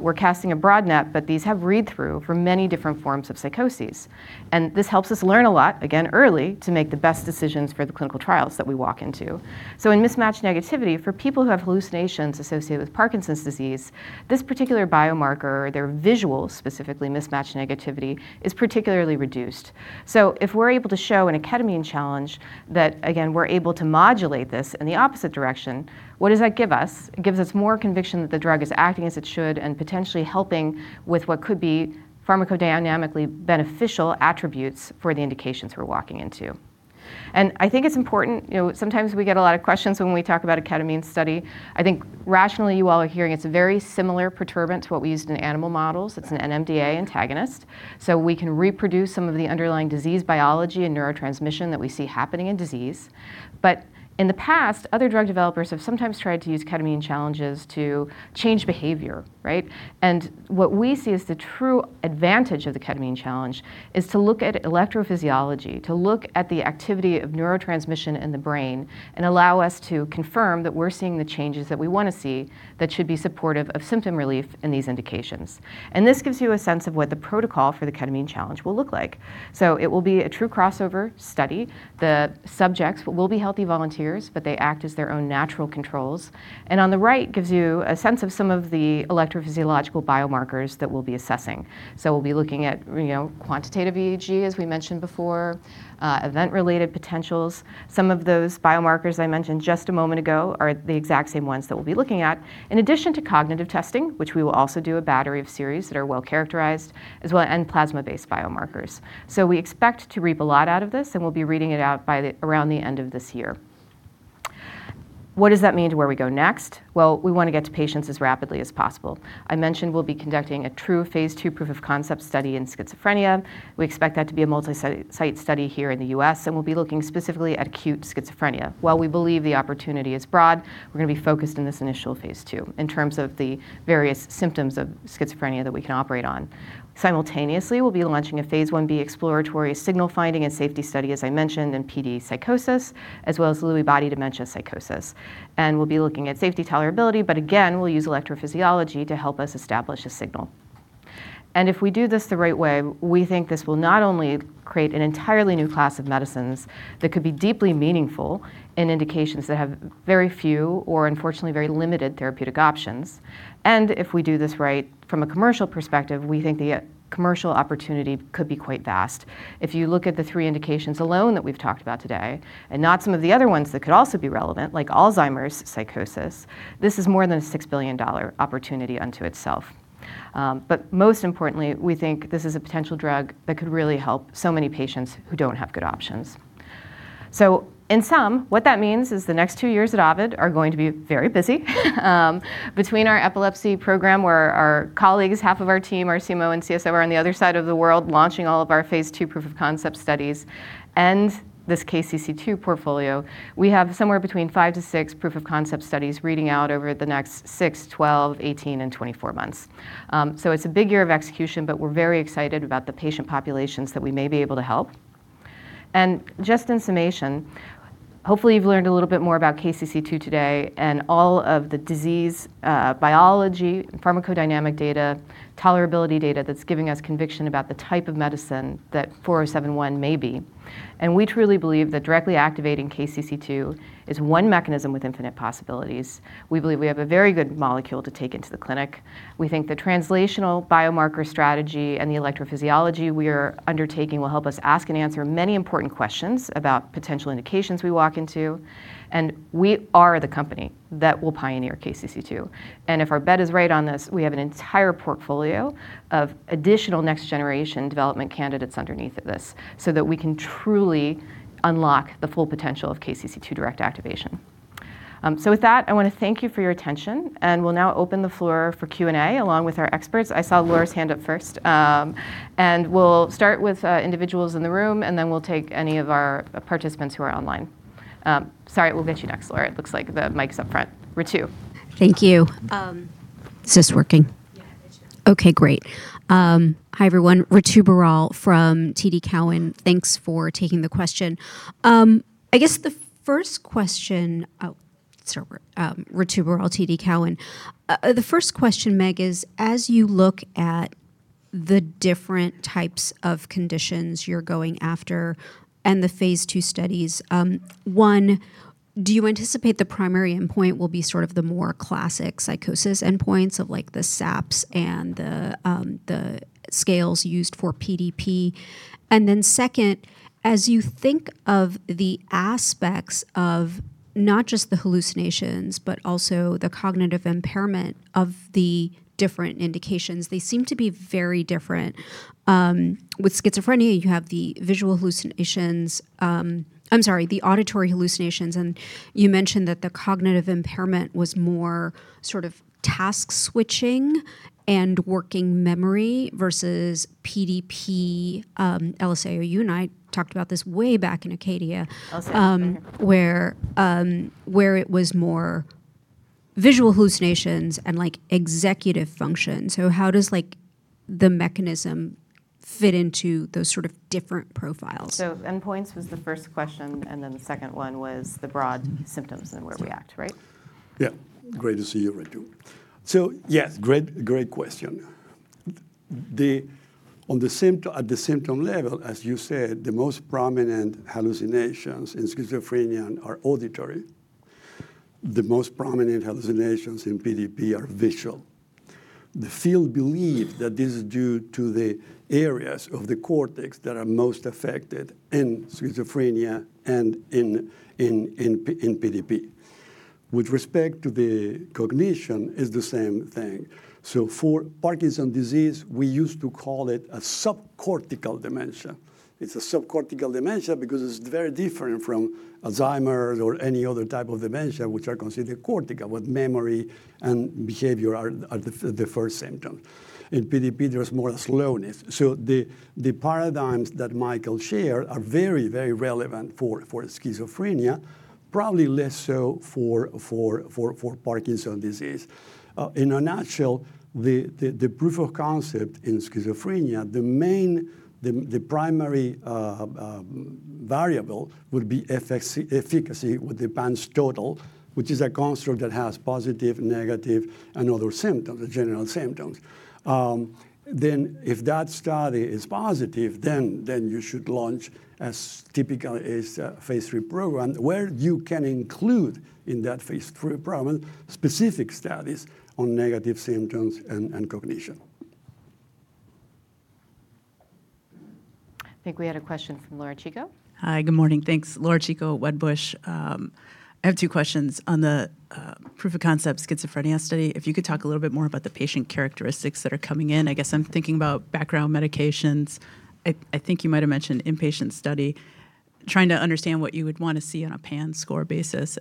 We're casting a broad net, but these have read-through for many different forms of psychoses. This helps us learn a lot, again, early, to make the best decisions for the clinical trials that we walk into. In mismatch negativity, for people who have hallucinations associated with Parkinson's disease, this particular biomarker, their visual, specifically mismatch negativity, is particularly reduced. If we're able to show in a ketamine challenge that again, we're able to modulate this in the opposite direction, what does that give us? It gives us more conviction that the drug is acting as it should and potentially helping with what could be pharmacodynamically beneficial attributes for the indications we're walking into. I think it's important. Sometimes we get a lot of questions when we talk about a ketamine study. I think rationally, you all are hearing it's a very similar perturbant to what we used in animal models. It's an NMDA antagonist. We can reproduce some of the underlying disease biology and neurotransmission that we see happening in disease. In the past, other drug developers have sometimes tried to use ketamine challenges to change behavior, right? What we see as the true advantage of the ketamine challenge is to look at electrophysiology, to look at the activity of neurotransmission in the brain and allow us to confirm that we're seeing the changes that we want to see that should be supportive of symptom relief in these indications. This gives you a sense of what the protocol for the ketamine challenge will look like. It will be a true crossover study. The subjects will be healthy volunteers, but they act as their own natural controls, and on the right gives you a sense of some of the electrophysiological biomarkers that we'll be assessing. We'll be looking at quantitative EEG, as we mentioned before, event-related potentials. Some of those biomarkers I mentioned just a moment ago are the exact same ones that we'll be looking at, in addition to cognitive testing, which we will also do a battery of series that are well-characterized, as well, and plasma-based biomarkers. We expect to reap a lot out of this, and we'll be reading it out around the end of this year. What does that mean to where we go next? Well, we want to get to patients as rapidly as possible. I mentioned we'll be conducting a true phase II proof-of-concept study in schizophrenia. We expect that to be a multi-site study here in the U.S., and we'll be looking specifically at acute schizophrenia. While we believe the opportunity is broad, we're going to be focused in this initial phase II in terms of the various symptoms of schizophrenia that we can operate on. Simultaneously, we'll be launching a phase I-B exploratory signal-finding and safety study, as I mentioned, in PD psychosis as well as Lewy body dementia psychosis. We'll be looking at safety, tolerability, but again, we'll use electrophysiology to help us establish a signal. If we do this the right way, we think this will not only create an entirely new class of medicines that could be deeply meaningful in indications that have very few or unfortunately very limited therapeutic options. If we do this right, from a commercial perspective, we think the commercial opportunity could be quite vast. If you look at the three indications alone that we've talked about today, and not some of the other ones that could also be relevant, like Alzheimer's psychosis, this is more than a 6 billion-dollar opportunity unto itself. Most importantly, we think this is a potential drug that could really help so many patients who don't have good options. In sum, what that means is the next two years at Ovid are going to be very busy between our epilepsy program, where our colleagues, half of our team, our CMO and CSO, are on the other side of the world launching all of our phase II proof-of-concept studies and this KCC2 portfolio. We have somewhere between five to six proof of concept studies reading out over the next six, 12, 18, and 24 months. It's a big year of execution, but we're very excited about the patient populations that we may be able to help. Just in summation, hopefully you've learned a little bit more about KCC2 today and all of the disease biology, pharmacodynamic data, tolerability data that's giving us conviction about the type of medicine that OV4071 may be. We truly believe that directly activating KCC2 is one mechanism with infinite possibilities. We believe we have a very good molecule to take into the clinic. We think the translational biomarker strategy and the electrophysiology we are undertaking will help us ask and answer many important questions about potential indications we walk into. We are the company that will pioneer KCC2. If our bet is right on this, we have an entire portfolio of additional next-generation development candidates underneath of this so that we can truly unlock the full potential of KCC2 direct activation. With that, I want to thank you for your attention, and we'll now open the floor for Q&A, along with our experts. I saw Laura's hand up first. We'll start with individuals in the room, and then we'll take any of our participants who are online. Sorry, we'll get you next, Laura. It looks like the mic's up front. Ritu. Thank you. Is this working? Yeah. Okay, great. Hi, everyone. Ritu Baral from TD Cowen. Thanks for taking the question. The first question, Meg, is as you look at the different types of conditions you're going after and the phase II studies, one, do you anticipate the primary endpoint will be sort of the more classic psychosis endpoints of the SAPS and the scales used for PDP? Second, as you think of the aspects of not just the hallucinations, but also the cognitive impairment of the different indications, they seem to be very different. With schizophrenia, you have the auditory hallucinations, and you mentioned that the cognitive impairment was more sort of task switching and working memory versus PDP, Eliseo, or you and I talked about this way back in ACADIA. Okay. Where it was more visual hallucinations and executive function, how does the mechanism fit into those sort of different profiles? Endpoints was the first question, and then the second one was the broad symptoms and where we act, right? Yeah. Great to see you, Ritu. Yes, great question. At the symptom level, as you said, the most prominent hallucinations in schizophrenia are auditory. The most prominent hallucinations in PDP are visual. The field believe that this is due to the areas of the cortex that are most affected in schizophrenia and in PDP. With respect to the cognition is the same thing. For Parkinson's disease, we used to call it a subcortical dementia. It's a subcortical dementia because it's very different from Alzheimer's or any other type of dementia, which are considered cortical, where memory and behavior are the first symptoms. In PDP, there's more slowness. The paradigms that Michael shared are very relevant for schizophrenia, probably less so for Parkinson's disease. In a nutshell, the proof of concept in schizophrenia, the primary variable would be efficacy with the PANSS Total, which is a construct that has positive, negative, and other symptoms, the general symptoms. If that study is positive, then you should launch a typical phase III program where you can include in that phase III program specific studies on negative symptoms and cognition. I think we had a question from Laura Chico. Hi, good morning. Thanks. Laura Chico, Wedbush Securities. I have two questions. On the proof-of-concept schizophrenia study, if you could talk a little bit more about the patient characteristics that are coming in. I guess I'm thinking about background medications. I think you might have mentioned inpatient study, trying to understand what you would want to see on a PANSS score basis.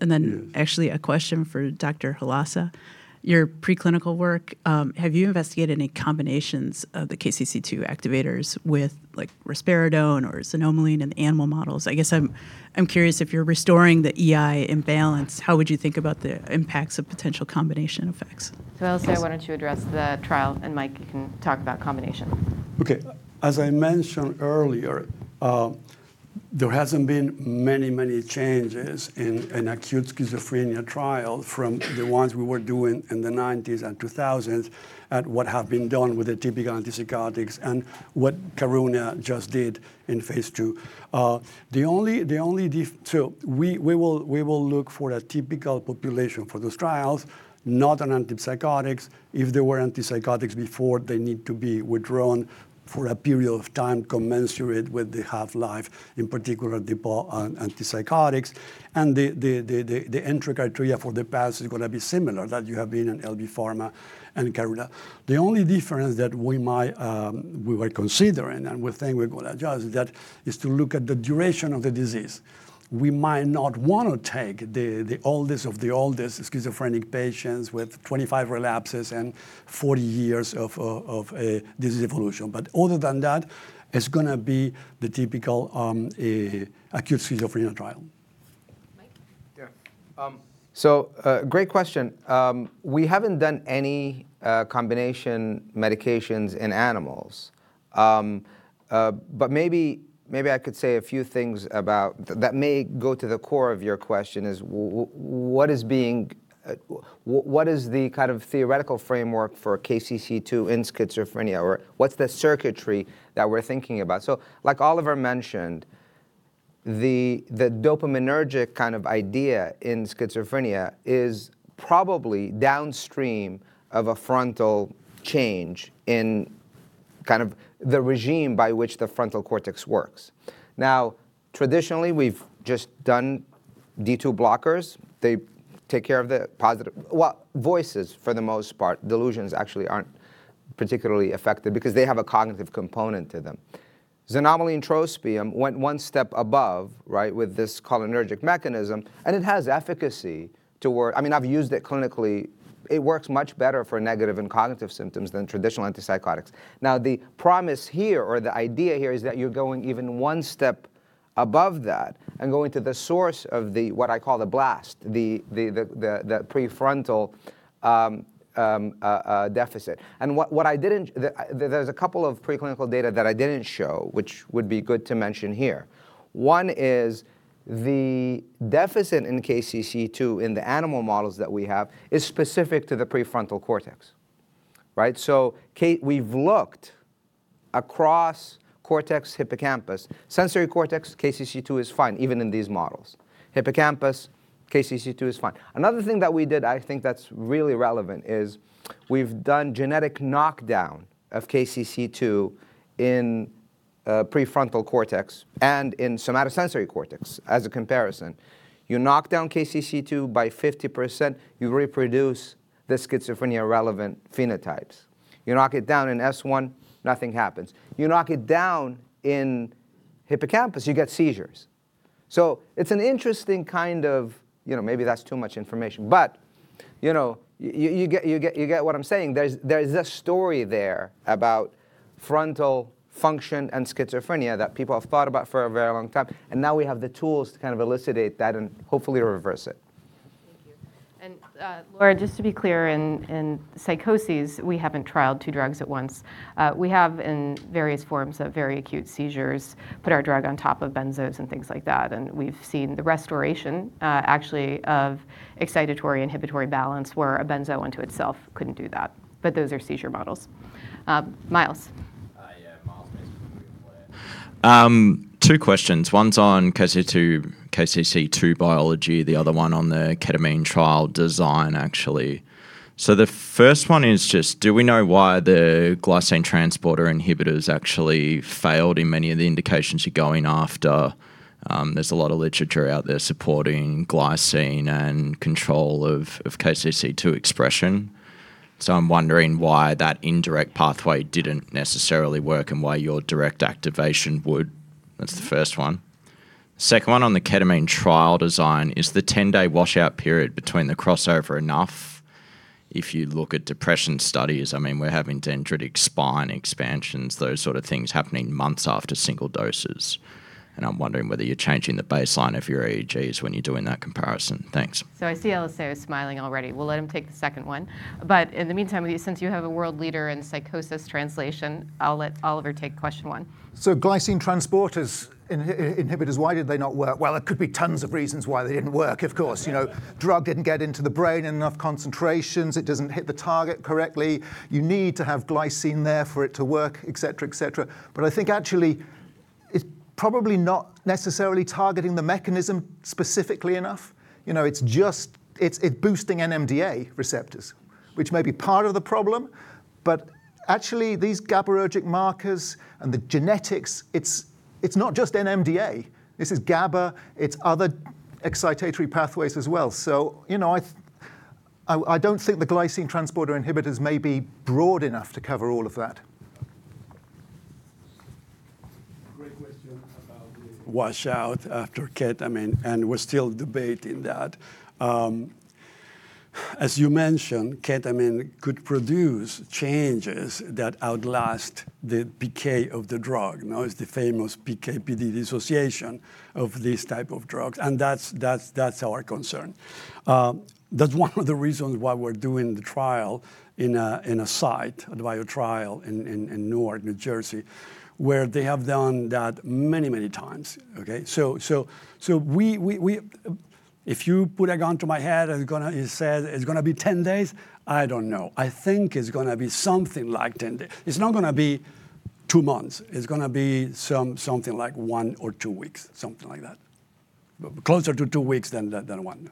Actually, a question for Dr. Halassa. Your preclinical work, have you investigated any combinations of the KCC2 activators with like risperidone or xanomeline in the animal models? I guess I'm curious, if you're restoring the E/I balance, how would you think about the impacts of potential combination effects? Halassa, why don't you address the trial, and Mike, you can talk about combination. Okay. As I mentioned earlier, there hasn't been many changes in an acute schizophrenia trial from the ones we were doing in the 1990s and 2000s at what have been done with the typical antipsychotics and what Karuna Therapeutics Therapeutics just did in phase II. We will look for a typical population for those trials, not on antipsychotics. If they were antipsychotics before, they need to be withdrawn for a period of time commensurate with the half-life, in particular depot antipsychotics. The entry criteria for the PANSS is going to be similar, that you have been in Lundbeck Pharma and Karuna Therapeutics Therapeutics. The only difference that we were considering and we think we're going to adjust that is to look at the duration of the disease. We might not want to take the oldest of the oldest schizophrenic patients with 25 relapses and 40 years of disease evolution. Other than that, it's going to be the typical acute schizophrenia trial. Mike? Yeah. Great question. We haven't done any combination medications in animals. Maybe I could say a few things that may go to the core of your question is what is the kind of theoretical framework for KCC2 in schizophrenia, or what's the circuitry that we're thinking about? Like Oliver mentioned, the dopaminergic kind of idea in schizophrenia is probably downstream of a frontal change in kind of the regime by which the frontal cortex works. Now, traditionally, we've just done D2 blockers. They take care of the positive, well, voices, for the most part. Delusions actually aren't particularly affected because they have a cognitive component to them. xanomeline-trospium went one step above, right, with this cholinergic mechanism, and it has efficacy to where, I mean, I've used it clinically. It works much better for negative and cognitive symptoms than traditional antipsychotics. Now, the promise here or the idea here is that you're going even one step above that and going to the source of the, what I call the blast, the prefrontal deficit. There's a couple of preclinical data that I didn't show, which would be good to mention here. One is the deficit in KCC2 in the animal models that we have is specific to the prefrontal cortex. Right? So we've looked across cortex, hippocampus. Sensory cortex, KCC2 is fine, even in these models. Hippocampus, KCC2 is fine. Another thing that we did, I think that's really relevant is we've done genetic knockdown of KCC2 in prefrontal cortex and in somatosensory cortex as a comparison. You knock down KCC2 by 50%, you reproduce the schizophrenia-relevant phenotypes. You knock it down in S1, nothing happens. You knock it down in hippocampus, you get seizures. So it's an interesting kind of... Maybe that's too much information, but you get what I'm saying. There's a story there about frontal function and schizophrenia that people have thought about for a very long time, and now we have the tools to kind of elucidate that and hopefully reverse it. Thank you. Laura, just to be clear, in psychoses, we haven't trialed two drugs at once. We have, in various forms of very acute seizures, put our drug on top of benzos and things like that, and we've seen the restoration, actually, of excitatory-inhibitory balance where a benzo unto itself couldn't do that. Those are seizure models. Myles. Yeah, Myles Minter from. Two questions. One's on KCC2 biology, the other one on the ketamine trial design, actually. The first one is just do we know why the glycine transporter inhibitors actually failed in many of the indications you're going after? There's a lot of literature out there supporting glycine and control of KCC2 expression. I'm wondering why that indirect pathway didn't necessarily work and why your direct activation would. That's the first one. Second one on the ketamine trial design, is the 10-day washout period between the crossover enough? If you look at depression studies, I mean, we're having dendritic spine expansions, those sort of things happening months after single doses, and I'm wondering whether you're changing the baseline of your EEGs when you're doing that comparison. Thanks. I see Eliseo smiling already. We'll let him take the second one. In the meantime, since you have a world leader in psychosis translation, I'll let Oliver take question one. Glycine transporter inhibitors, why did they not work? Well, there could be tons of reasons why they didn't work, of course. Drug didn't get into the brain in enough concentrations. It doesn't hit the target correctly. You need to have glycine there for it to work, et cetera. I think actually it's probably not necessarily targeting the mechanism specifically enough. It's boosting NMDA receptors, which may be part of the problem, but actually these GABAergic markers and the genetics, it's not just NMDA. This is GABA. It's other excitatory pathways as well. I don't think the glycine transporter inhibitors may be broad enough to cover all of that. Great question about the washout after ketamine. We're still debating that. As you mentioned, ketamine could produce changes that outlast the PK of the drug. It's the famous PK/PD dissociation of these type of drugs, and that's our concern. That's one of the reasons why we're doing the trial in a site, the Biotrial in Newark, New Jersey, where they have done that many, many times. Okay? If you put a gun to my head and said it's going to be 10 days, I don't know. I think it's going to be something like 10 days. It's not going to be two months. It's going to be something like one or two weeks, something like that, closer to two weeks than one.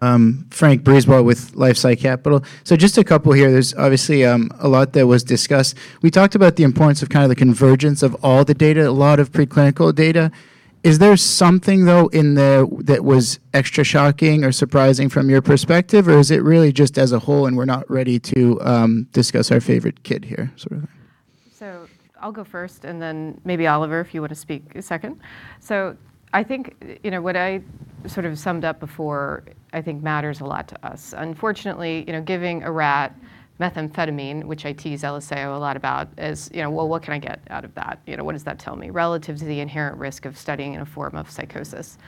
Frank. Yep. Thank you. François Brisebois with LifeSci Capital. Just a couple here. There's obviously a lot that was discussed. We talked about the importance of kind of the convergence of all the data, a lot of preclinical data. Is there something, though, in there that was extra shocking or surprising from your perspective, or is it really just as a whole and we're not ready to discuss our favorite kid here, sort of? I'll go first, and then maybe Oliver, if you want to speak second. I think what I sort of summed up before I think matters a lot to us. Unfortunately, giving a rat methamphetamine, which I tease Eliseo a lot about, is, well, what can I get out of that? What does that tell me relative to the inherent risk of studying in a form of psychosis?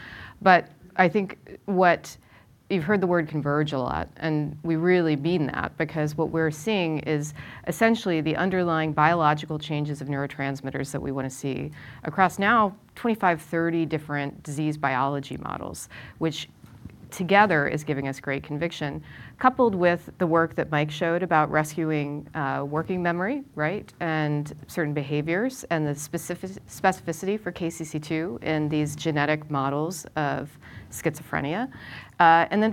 You've heard the word converge a lot, and we really mean that because what we're seeing is essentially the underlying biological changes of neurotransmitters that we want to see across now 25-30 different disease biology models, which together is giving us great conviction, coupled with the work that Mike showed about rescuing working memory, right, and certain behaviors and the specificity for KCC2 in these genetic models of schizophrenia.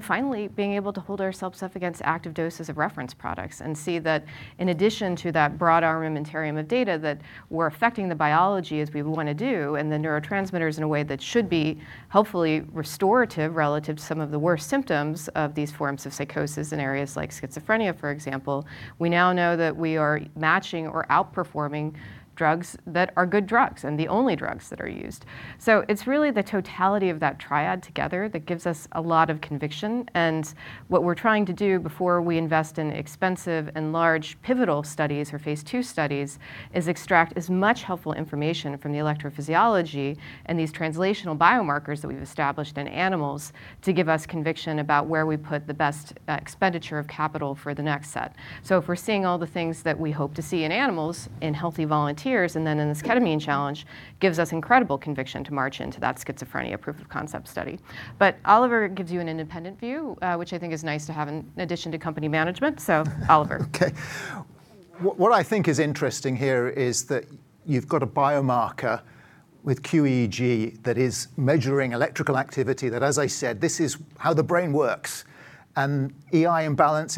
Finally being able to hold ourselves up against active doses of reference products and see that in addition to that broad armamentarium of data, that we're affecting the biology as we want to do and the neurotransmitters in a way that should be hopefully restorative relative to some of the worst symptoms of these forms of psychosis in areas like schizophrenia, for example, we now know that we are matching or outperforming drugs that are good drugs and the only drugs that are used. It's really the totality of that triad together that gives us a lot of conviction. What we're trying to do before we invest in expensive and large pivotal studies or phase II studies is extract as much helpful information from the electrophysiology and these translational biomarkers that we've established in animals to give us conviction about where we put the best expenditure of capital for the next set. If we're seeing all the things that we hope to see in animals, in healthy volunteers, and then in this ketamine challenge, gives us incredible conviction to march into that schizophrenia proof of concept study. Oliver gives you an independent view, which I think is nice to have in addition to company management. Oliver. Okay. What I think is interesting here is that you've got a biomarker with QEEG that is measuring electrical activity. As I said, this is how the brain works. E/I imbalance,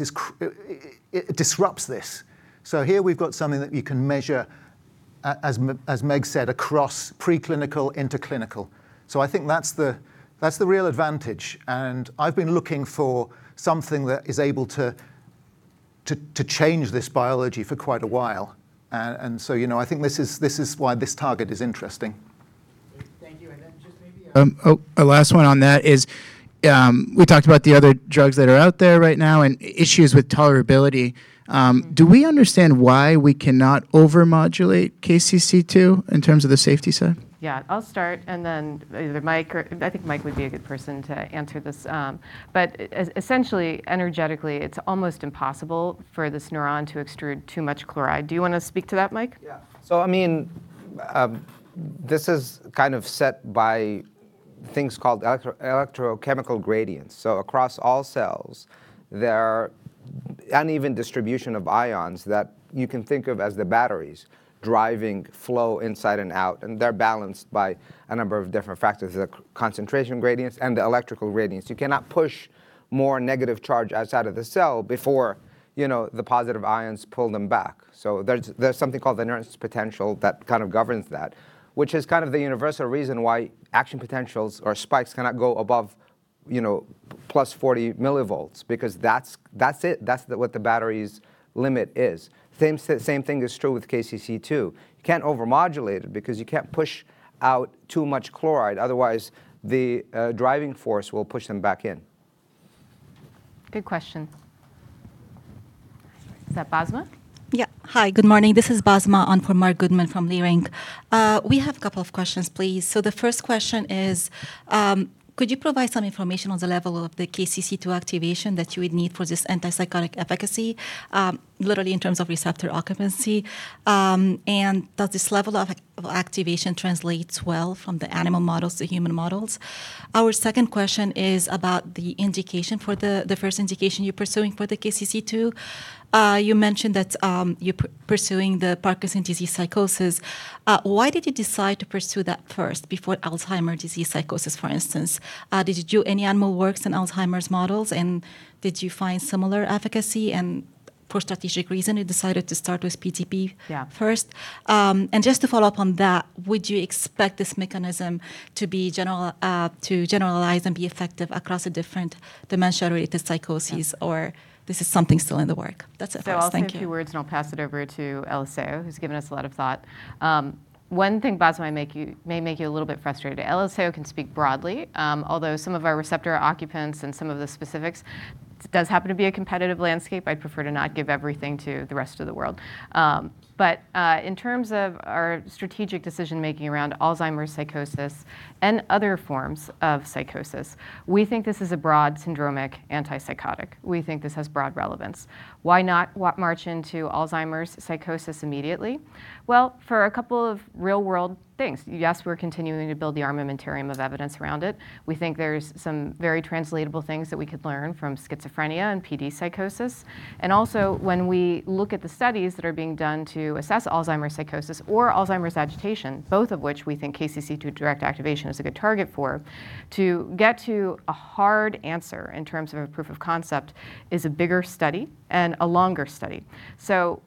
it disrupts this. Here we've got something that you can measure, as Meg said, across preclinical into clinical. I think that's the real advantage. I've been looking for something that is able to change this biology for quite a while. I think this is why this target is interesting. Thank you. Just maybe a last one on that is, we talked about the other drugs that are out there right now and issues with tolerability. Do we understand why we cannot over-modulate KCC2 in terms of the safety side? Yeah, I'll start. I think Mike would be a good person to answer this. Essentially, energetically, it's almost impossible for this neuron to extrude too much chloride. Do you want to speak to that, Mike? Yeah, I mean, this is kind of set by things called electrochemical gradients. Across all cells, there are uneven distribution of ions that you can think of as the batteries driving flow inside and out, and they're balanced by a number of different factors, the concentration gradients and the electrical gradients. You cannot push more negative charge outside of the cell before the positive ions pull them back. There's something called the Nernst potential that kind of governs that, which is kind of the universal reason why action potentials or spikes cannot go above. You know, +40 millivolts because that's it, that's what the battery's limit is. Same thing is true with KCC2. You can't over-modulate it because you can't push out too much chloride. Otherwise, the driving force will push them back in. Good question. Is that Basma? Yeah. Hi, good morning. This is Basma Radwan from Leerink Partners. We have a couple of questions, please. The first question is, could you provide some information on the level of the KCC2 activation that you would need for this antipsychotic efficacy, literally in terms of receptor occupancy, and that this level of activation translates well from the animal models to human models? Our second question is about the first indication you're pursuing for the KCC2. You mentioned that you're pursuing the Parkinson's disease psychosis. Why did you decide to pursue that first before Alzheimer's disease psychosis, for instance? Did you do any animal works in Alzheimer's models, and did you find similar efficacy, and for strategic reason, you decided to start with PDP? Yeah First? Just to follow up on that, would you expect this mechanism to generalize and be effective across the different dementia-related psychoses, or this is something still in the work? That's it. Thank you. I'll say a few words, and I'll pass it over to Eliseo, who's given this a lot of thought. One thing, Basma, may make you a little bit frustrated. Eliseo can speak broadly, although some of our receptor occupancy and some of the specifics does happen to be a competitive landscape. I'd prefer to not give everything to the rest of the world. In terms of our strategic decision-making around Alzheimer's psychosis and other forms of psychosis, we think this is a broad syndromic antipsychotic. We think this has broad relevance. Why not march into Alzheimer's psychosis immediately? Well, for a couple of real-world things. Yes, we're continuing to build the armamentarium of evidence around it. We think there's some very translatable things that we could learn from schizophrenia and PD psychosis. Also, when we look at the studies that are being done to assess Alzheimer's psychosis or Alzheimer's agitation, both of which we think KCC2 direct activation is a good target for, to get to a hard answer in terms of a proof of concept is a bigger study and a longer study.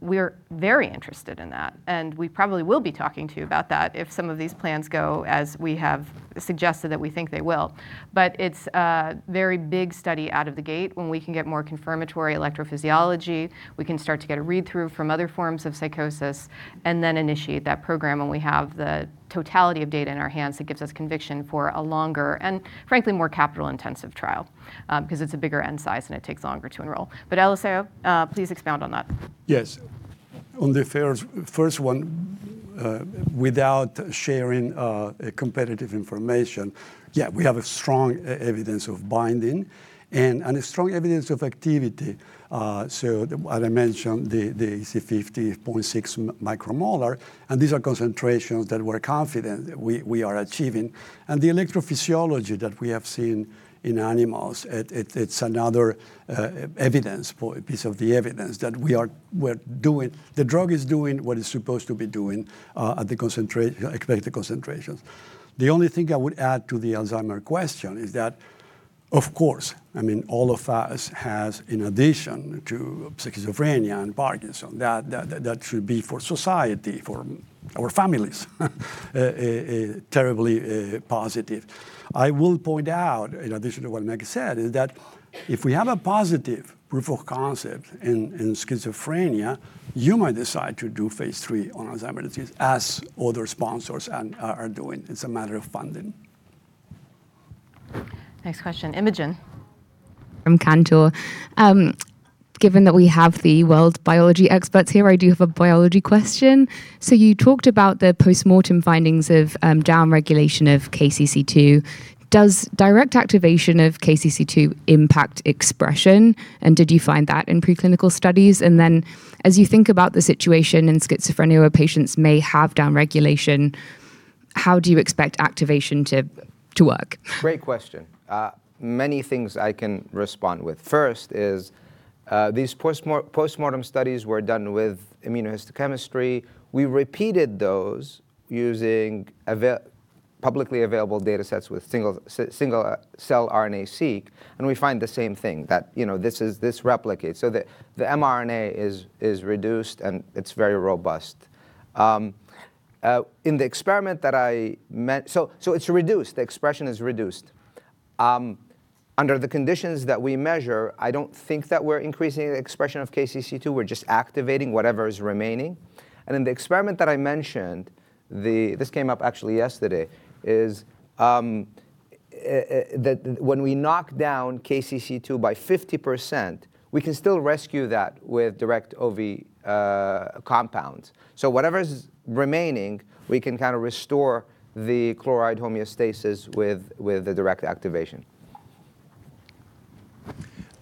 We're very interested in that, and we probably will be talking to you about that if some of these plans go as we have suggested that we think they will. It's a very big study out of the gate. When we can get more confirmatory electrophysiology, we can start to get a read-through from other forms of psychosis and then initiate that program when we have the totality of data in our hands that gives us conviction for a longer and frankly, more capital-intensive trial, because it's a bigger N size and it takes longer to enroll. Eliseo, please expound on that. Yes. On the first one, without sharing competitive information, yeah, we have strong evidence of binding and strong evidence of activity. As I mentioned, the EC50 is 0.6 micromolar, and these are concentrations that we're confident that we are achieving. The electrophysiology that we have seen in animals, it's another piece of the evidence that the drug is doing what it's supposed to be doing at the expected concentrations. The only thing I would add to the Alzheimer question is that, of course, I mean, all of us has, in addition to schizophrenia and Parkinson, that should be for society, for our families terribly positive. I will point out, in addition to what Meg Alexander said, is that if we have a positive proof of concept in schizophrenia, you might decide to do phase III on Alzheimer's disease as other sponsors are doing. It's a matter of funding. Next question. Imogen. From Cantor Fitzgerald, given that we have the world's biology experts here, I do have a biology question. You talked about the postmortem findings of downregulation of KCC2. Does direct activation of KCC2 impact expression, and did you find that in preclinical studies? As you think about the situation in schizophrenia, where patients may have downregulation, how do you expect activation to work? Great question. Many things I can respond with. First is, these postmortem studies were done with immunohistochemistry. We repeated those using publicly available data sets with single-cell RNA-seq, and we find the same thing, that this replicates. The mRNA is reduced, and it's very robust. It's reduced, the expression is reduced. Under the conditions that we measure, I don't think that we're increasing the expression of KCC2. We're just activating whatever is remaining. In the experiment that I mentioned, this came up actually yesterday, is that when we knock down KCC2 by 50%, we can still rescue that with direct OV compounds. Whatever's remaining, we can restore the chloride homeostasis with the direct activation.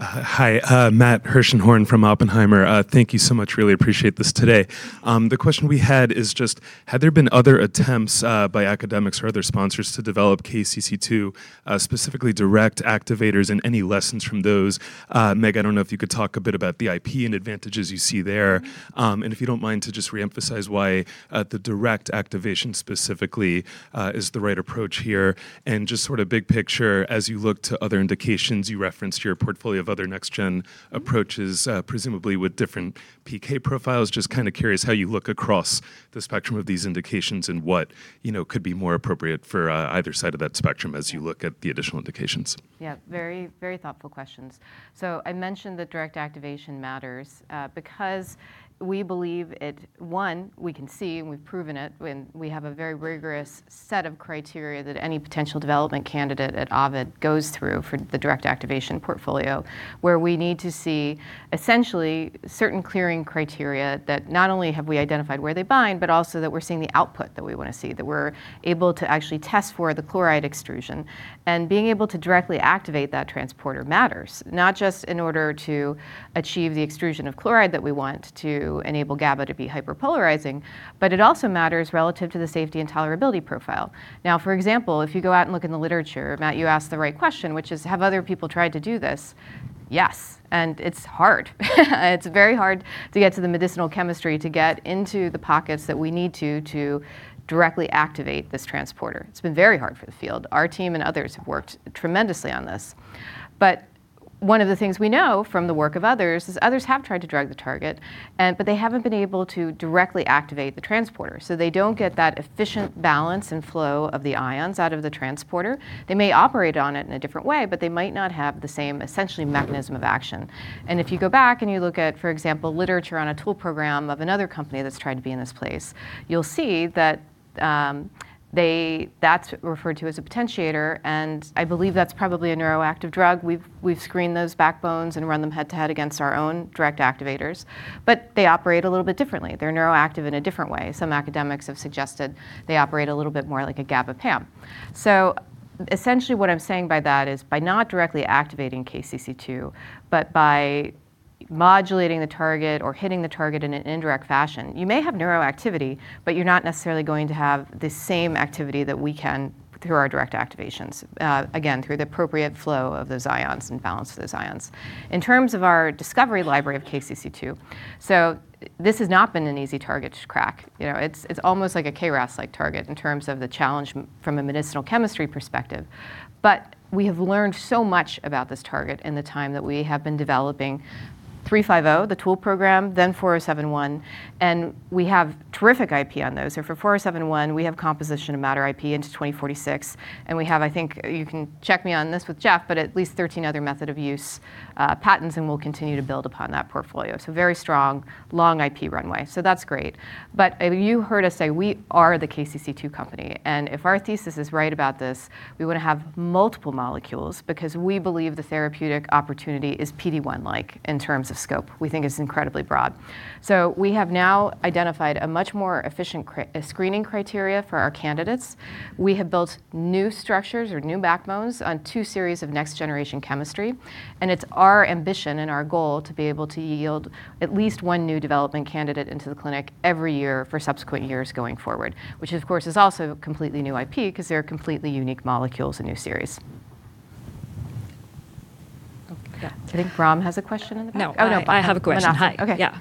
Hi, Matt Hershenhorn from Oppenheimer & Co. Thank you so much. Really appreciate this today. The question we had is just had there been other attempts by academics or other sponsors to develop KCC2, specifically direct activators, and any lessons from those? Meg, I don't know if you could talk a bit about the IP and advantages you see there. If you don't mind to just re-emphasize why the direct activation specifically is the right approach here. Just sort of big picture as you look to other indications, you referenced your portfolio of other next-gen approaches, presumably with different PK profiles. Just kind of curious how you look across the spectrum of these indications and what could be more appropriate for either side of that spectrum as you look at the additional indications. Yeah, very thoughtful questions. I mentioned that direct activation matters because we believe it, one, we can see and we've proven it when we have a very rigorous set of criteria that any potential development candidate at Ovid goes through for the direct activation portfolio, where we need to see essentially certain clearing criteria that not only have we identified where they bind, but also that we're seeing the output that we want to see, that we're able to actually test for the chloride extrusion. Being able to directly activate that transporter matters, not just in order to achieve the extrusion of chloride that we want to enable GABA to be hyperpolarizing, but it also matters relative to the safety and tolerability profile. Now, for example, if you go out and look in the literature, Matt, you asked the right question, which is, have other people tried to do this? Yes, it's hard. It's very hard to get to the medicinal chemistry to get into the pockets that we need to directly activate this transporter. It's been very hard for the field. Our team and others have worked tremendously on this. One of the things we know from the work of others is others have tried to drug the target, but they haven't been able to directly activate the transporter, so they don't get that efficient balance and flow of the ions out of the transporter. They may operate on it in a different way, but they might not have the same essentially mechanism of action. If you go back and you look at, for example, literature on a tool program of another company that's tried to be in this place, you'll see that's referred to as a potentiator, and I believe that's probably a neuroactive drug. We've screened those backbones and run them head-to-head against our own direct activators. They operate a little bit differently. They're neuroactive in a different way. Some academics have suggested they operate a little bit more like a GABA PAM. Essentially what I'm saying by that is by not directly activating KCC2, but by modulating the target or hitting the target in an indirect fashion, you may have neuroactivity, but you're not necessarily going to have the same activity that we can through our direct activations, again, through the appropriate flow of those ions and balance of those ions. In terms of our discovery library of KCC2, so this has not been an easy target to crack. It's almost like a KRAS-like target in terms of the challenge from a medicinal chemistry perspective. We have learned so much about this target in the time that we have been developing OV350, the tool program, then OV4071, and we have terrific IP on those. For OV4071, we have composition of matter IP into 2046, and we have, I think you can check me on this with Jeff, but at least 13 other method of use patents, and we'll continue to build upon that portfolio. Very strong, long IP runway. That's great. You heard us say we are the KCC2 company, and if our thesis is right about this, we want to have multiple molecules because we believe the therapeutic opportunity is PD-1-like in terms of scope. We think it's incredibly broad. We have now identified a much more efficient screening criteria for our candidates. We have built new structures or new backbones on two series of next-generation chemistry, and it's our ambition and our goal to be able to yield at least one new development candidate into the clinic every year for subsequent years going forward, which of course, is also completely new IP because they're completely unique molecules and new series. Okay. Yeah. I think Ram has a question in the back. No. Oh, no. I have a question. After. Hi. Okay. Yeah,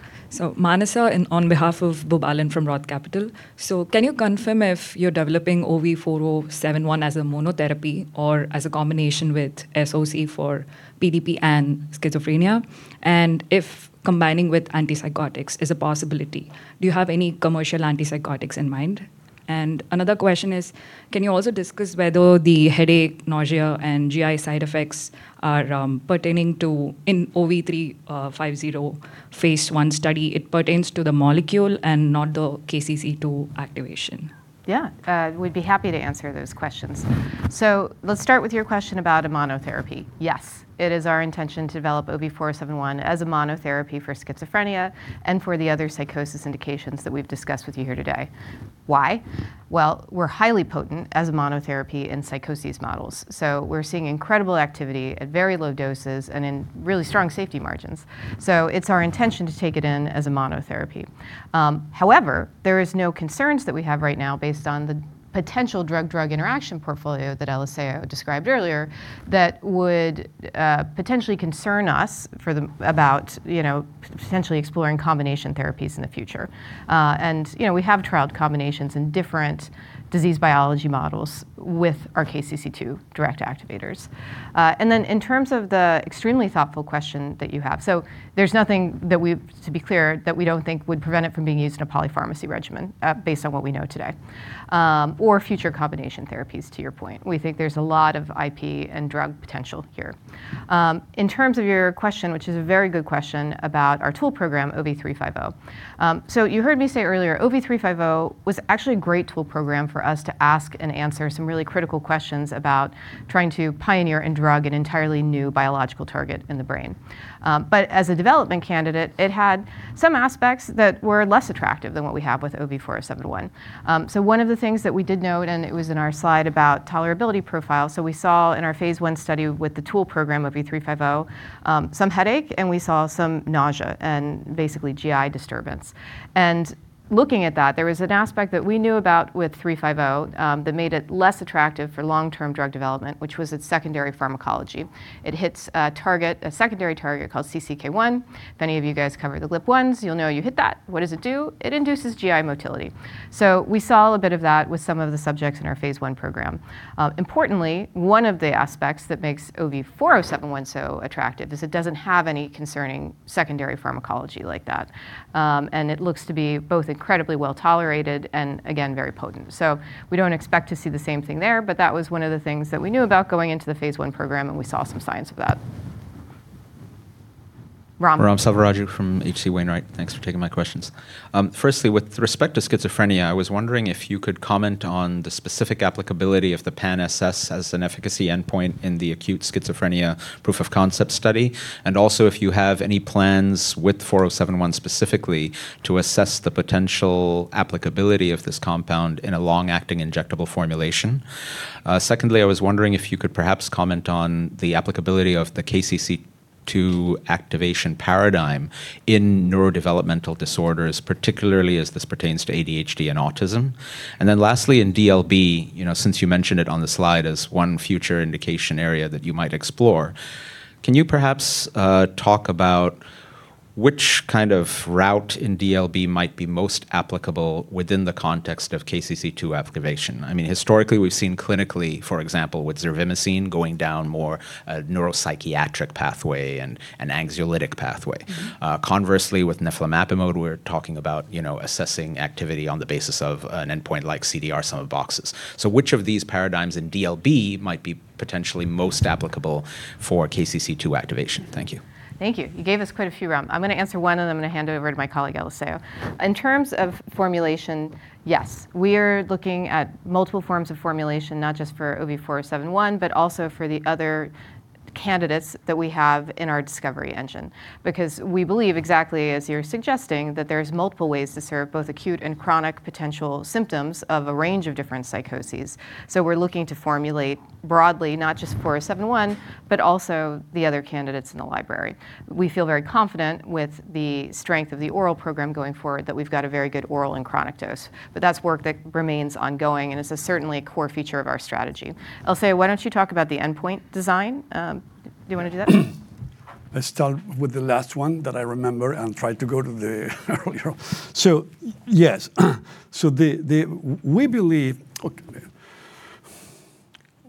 Manasvi on behalf of Bob Allen from Roth Capital. Can you confirm if you're developing OV4071 as a monotherapy or as a combination with SOC for PDP and schizophrenia? If combining with antipsychotics is a possibility, do you have any commercial antipsychotics in mind? Another question is, can you also discuss whether the headache, nausea, and GI side effects in OV350 phase I study, it pertains to the molecule and not the KCC2 activation? Yeah. We'd be happy to answer those questions. Let's start with your question about a monotherapy. Yes, it is our intention to develop OV4071 as a monotherapy for schizophrenia and for the other psychosis indications that we've discussed with you here today. Why? Well, we're highly potent as a monotherapy in psychosis models. We're seeing incredible activity at very low doses and in really strong safety margins. It's our intention to take it in as a monotherapy. However, there is no concerns that we have right now based on the potential drug-drug interaction portfolio that Eliseo described earlier that would potentially concern us about potentially exploring combination therapies in the future. We have trialed combinations in different disease biology models with our KCC2 direct activators. In terms of the extremely thoughtful question that you have, so there's nothing, to be clear, that we don't think would prevent it from being used in a polypharmacy regimen based on what we know today, future combination therapies, to your point. We think there's a lot of IP and drug potential here. In terms of your question, which is a very good question about our tool program, OV350, you heard me say earlier, OV350 was actually a great tool program for us to ask and answer some really critical questions about trying to pioneer and drug an entirely new biological target in the brain. As a development candidate, it had some aspects that were less attractive than what we have with OV4071. One of the things that we did note, and it was in our slide about tolerability profile, we saw in our phase I study with the tool program, OV350, some headache, and we saw some nausea and basically GI disturbance. Looking at that, there was an aspect that we knew about with OV350 that made it less attractive for long-term drug development, which was its secondary pharmacology. It hits a secondary target called CCK1. If any of you guys cover the GLP-1s, you'll know you hit that. What does it do? It induces GI motility. We saw a bit of that with some of the subjects in our phase I program. Importantly, one of the aspects that makes OV4071 so attractive is it doesn't have any concerning secondary pharmacology like that. It looks to be both incredibly well-tolerated and, again, very potent. We don't expect to see the same thing there, but that was one of the things that we knew about going into the phase I program, and we saw some signs of that. Ram? Ram Selvaraju from H.C. Wainwright. Thanks for taking my questions. Firstly, with respect to schizophrenia, I was wondering if you could comment on the specific applicability of the PANSS as an efficacy endpoint in the acute schizophrenia proof-of-concept study, and also if you have any plans with 4071 specifically to assess the potential applicability of this compound in a long-acting injectable formulation. Secondly, I was wondering if you could perhaps comment on the applicability of the KCC2 activation paradigm in neurodevelopmental disorders, particularly as this pertains to ADHD and autism. Lastly, in DLB, since you mentioned it on the slide as one future indication area that you might explore, can you perhaps talk about which kind of route in DLB might be most applicable within the context of KCC2 activation? Historically, we've seen clinically, for example, with blarcamesine going down more neuropsychiatric pathway and an anxiolytic pathway. Mm-hmm. Conversely, with neflamapimod, we're talking about assessing activity on the basis of an endpoint like CDR Sum of Boxes. Which of these paradigms in DLB might be potentially most applicable for KCC2 activation? Thank you. Thank you. You gave us quite a few, Ram. I'm going to answer one, and then I'm going to hand it over to my colleague, Eliseo. In terms of formulation, yes. We're looking at multiple forms of formulation, not just for OV4071, but also for the other candidates that we have in our discovery engine because we believe exactly as you're suggesting, that there's multiple ways to serve both acute and chronic potential symptoms of a range of different psychoses. We're looking to formulate broadly, not just OV4071, but also the other candidates in the library. We feel very confident with the strength of the oral program going forward, that we've got a very good oral and chronic dose. That's work that remains ongoing, and it's certainly a core feature of our strategy. Eliseo, why don't you talk about the endpoint design? Do you want to do that? Let's start with the last one that I remember and try to go to the earlier. Yes.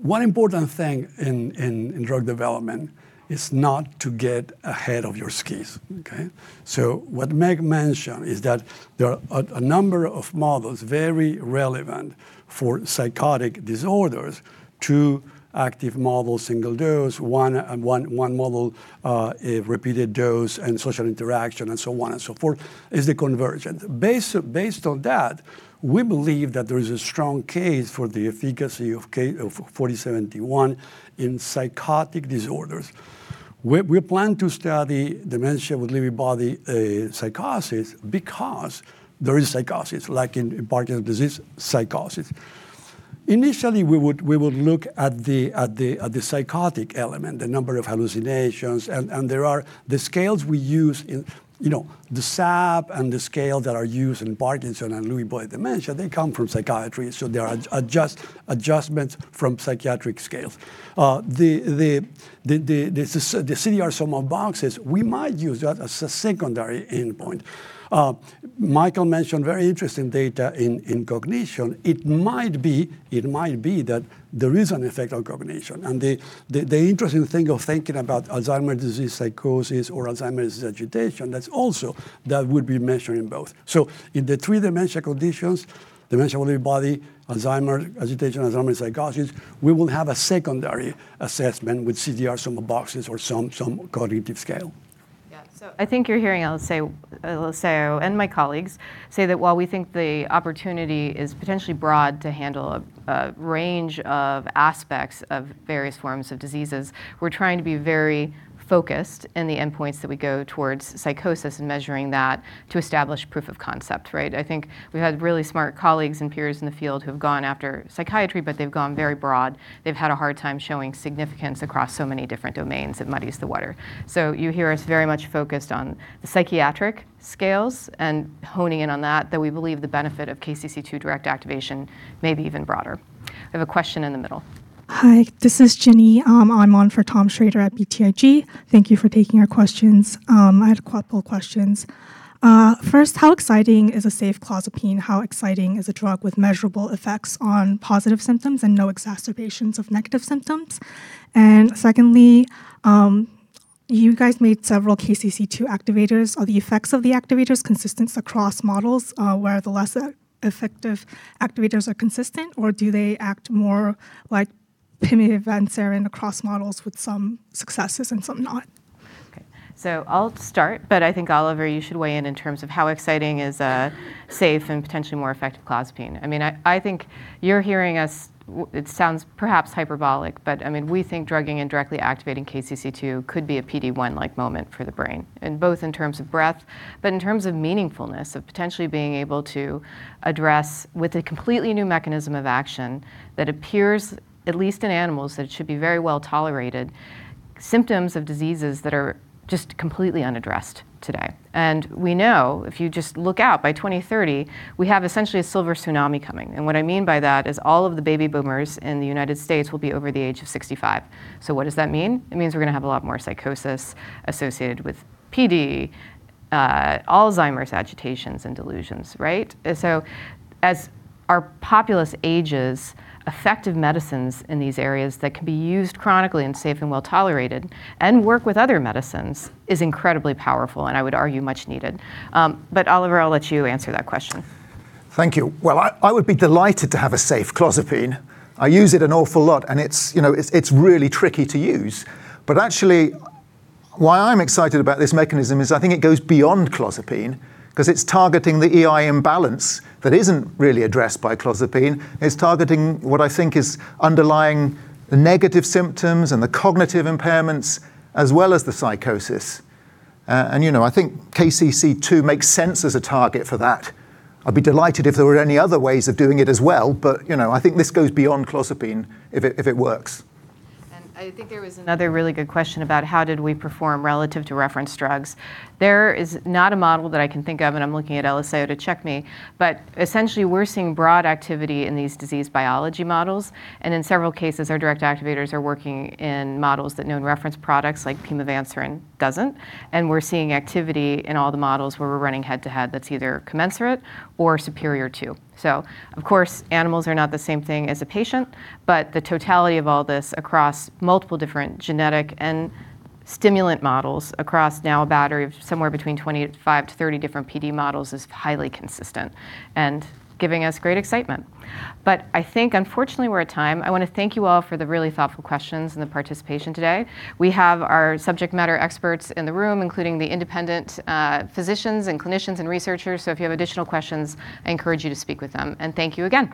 One important thing in drug development is not to get ahead of your skis. Okay? What Meg mentioned is that there are a number of models, very relevant for psychotic disorders, two active models, single dose, one model, a repeated dose, and social interaction, and so on and so forth, is the convergence. Based on that, we believe that there is a strong case for the efficacy of OV4071 in psychotic disorders. We plan to study dementia with Lewy body psychosis because there is psychosis, like in Parkinson's disease psychosis. Initially, we would look at the psychotic element, the number of hallucinations. The scales we use, the SAPS and the scale that are used in Parkinson's and Lewy body dementia, they come from psychiatry, so they are adjustments from psychiatric scales. The CDR Sum of Boxes, we might use that as a secondary endpoint. Michael mentioned very interesting data in cognition. It might be that there is an effect on cognition. The interesting thing of thinking about Alzheimer's disease psychosis or Alzheimer's agitation, that's also that we'll be measuring both. In the three dementia conditions, dementia with Lewy body, Alzheimer's agitation, Alzheimer's psychosis, we will have a secondary assessment with CDR Sum of Boxes or some cognitive scale. Yeah. I think you're hearing Eliseo and my colleagues say that while we think the opportunity is potentially broad to handle a range of aspects of various forms of diseases, we're trying to be very focused in the endpoints that we go towards, psychosis and measuring that to establish proof of concept, right? I think we've had really smart colleagues and peers in the field who've gone after psychiatry, but they've gone very broad. They've had a hard time showing significance across so many different domains. It muddies the water. You hear us very much focused on the psychiatric scales and honing in on that, we believe the benefit of KCC2 direct activation may be even broader. We have a question in the middle. Hi, this is Jenny. I'm on for Thomas Shrader at BTIG. Thank you for taking our questions. I had a couple questions. First, how exciting is a safe clozapine? How exciting is a drug with measurable effects on positive symptoms and no exacerbations of negative symptoms? Secondly, you guys made several KCC2 activators. Are the effects of the activators consistent across models, where the less effective activators are consistent, or do they act more like pimavanserin across models with some successes and some not? I'll start, but I think, Oliver, you should weigh in in terms of how exciting is a safe and potentially more effective clozapine. I think you're hearing us, it sounds perhaps hyperbolic, but we think drugging and directly activating KCC2 could be a PD-1-like moment for the brain, in both in terms of breadth but in terms of meaningfulness, of potentially being able to address with a completely new mechanism of action that appears, at least in animals, that it should be very well-tolerated, symptoms of diseases that are just completely unaddressed today. We know, if you just look out, by 2030, we have essentially a silver tsunami coming. What I mean by that is all of the baby boomers in the United States will be over the age of 65. What does that mean? It means we're going to have a lot more psychosis associated with PD, Alzheimer's, agitations, and delusions. Right? As our populace ages, effective medicines in these areas that can be used chronically and safe and well-tolerated and work with other medicines is incredibly powerful and I would argue, much needed. Oliver, I'll let you answer that question. Thank you. Well, I would be delighted to have a safe clozapine. I use it an awful lot and it's really tricky to use. Actually, why I'm excited about this mechanism is I think it goes beyond clozapine because it's targeting the E/I balance that isn't really addressed by clozapine. It's targeting what I think is underlying the negative symptoms and the cognitive impairments as well as the psychosis. I think KCC2 makes sense as a target for that. I'd be delighted if there were any other ways of doing it as well, but I think this goes beyond clozapine if it works. I think there was another really good question about how did we perform relative to reference drugs. There is not a model that I can think of, and I'm looking at Eliseo Salinas to check me, but essentially, we're seeing broad activity in these disease biology models. In several cases, our direct activators are working in models that known reference products like pimavanserin doesn't. We're seeing activity in all the models where we're running head-to-head that's either commensurate or superior to. Of course, animals are not the same thing as a patient, but the totality of all this across multiple different genetic and stimulant models across now a battery of somewhere between 25-30 different PD models is highly consistent and giving us great excitement. I think unfortunately, we're at time. I want to thank you all for the really thoughtful questions and the participation today. We have our subject matter experts in the room, including the independent physicians and clinicians and researchers. If you have additional questions, I encourage you to speak with them. Thank you again.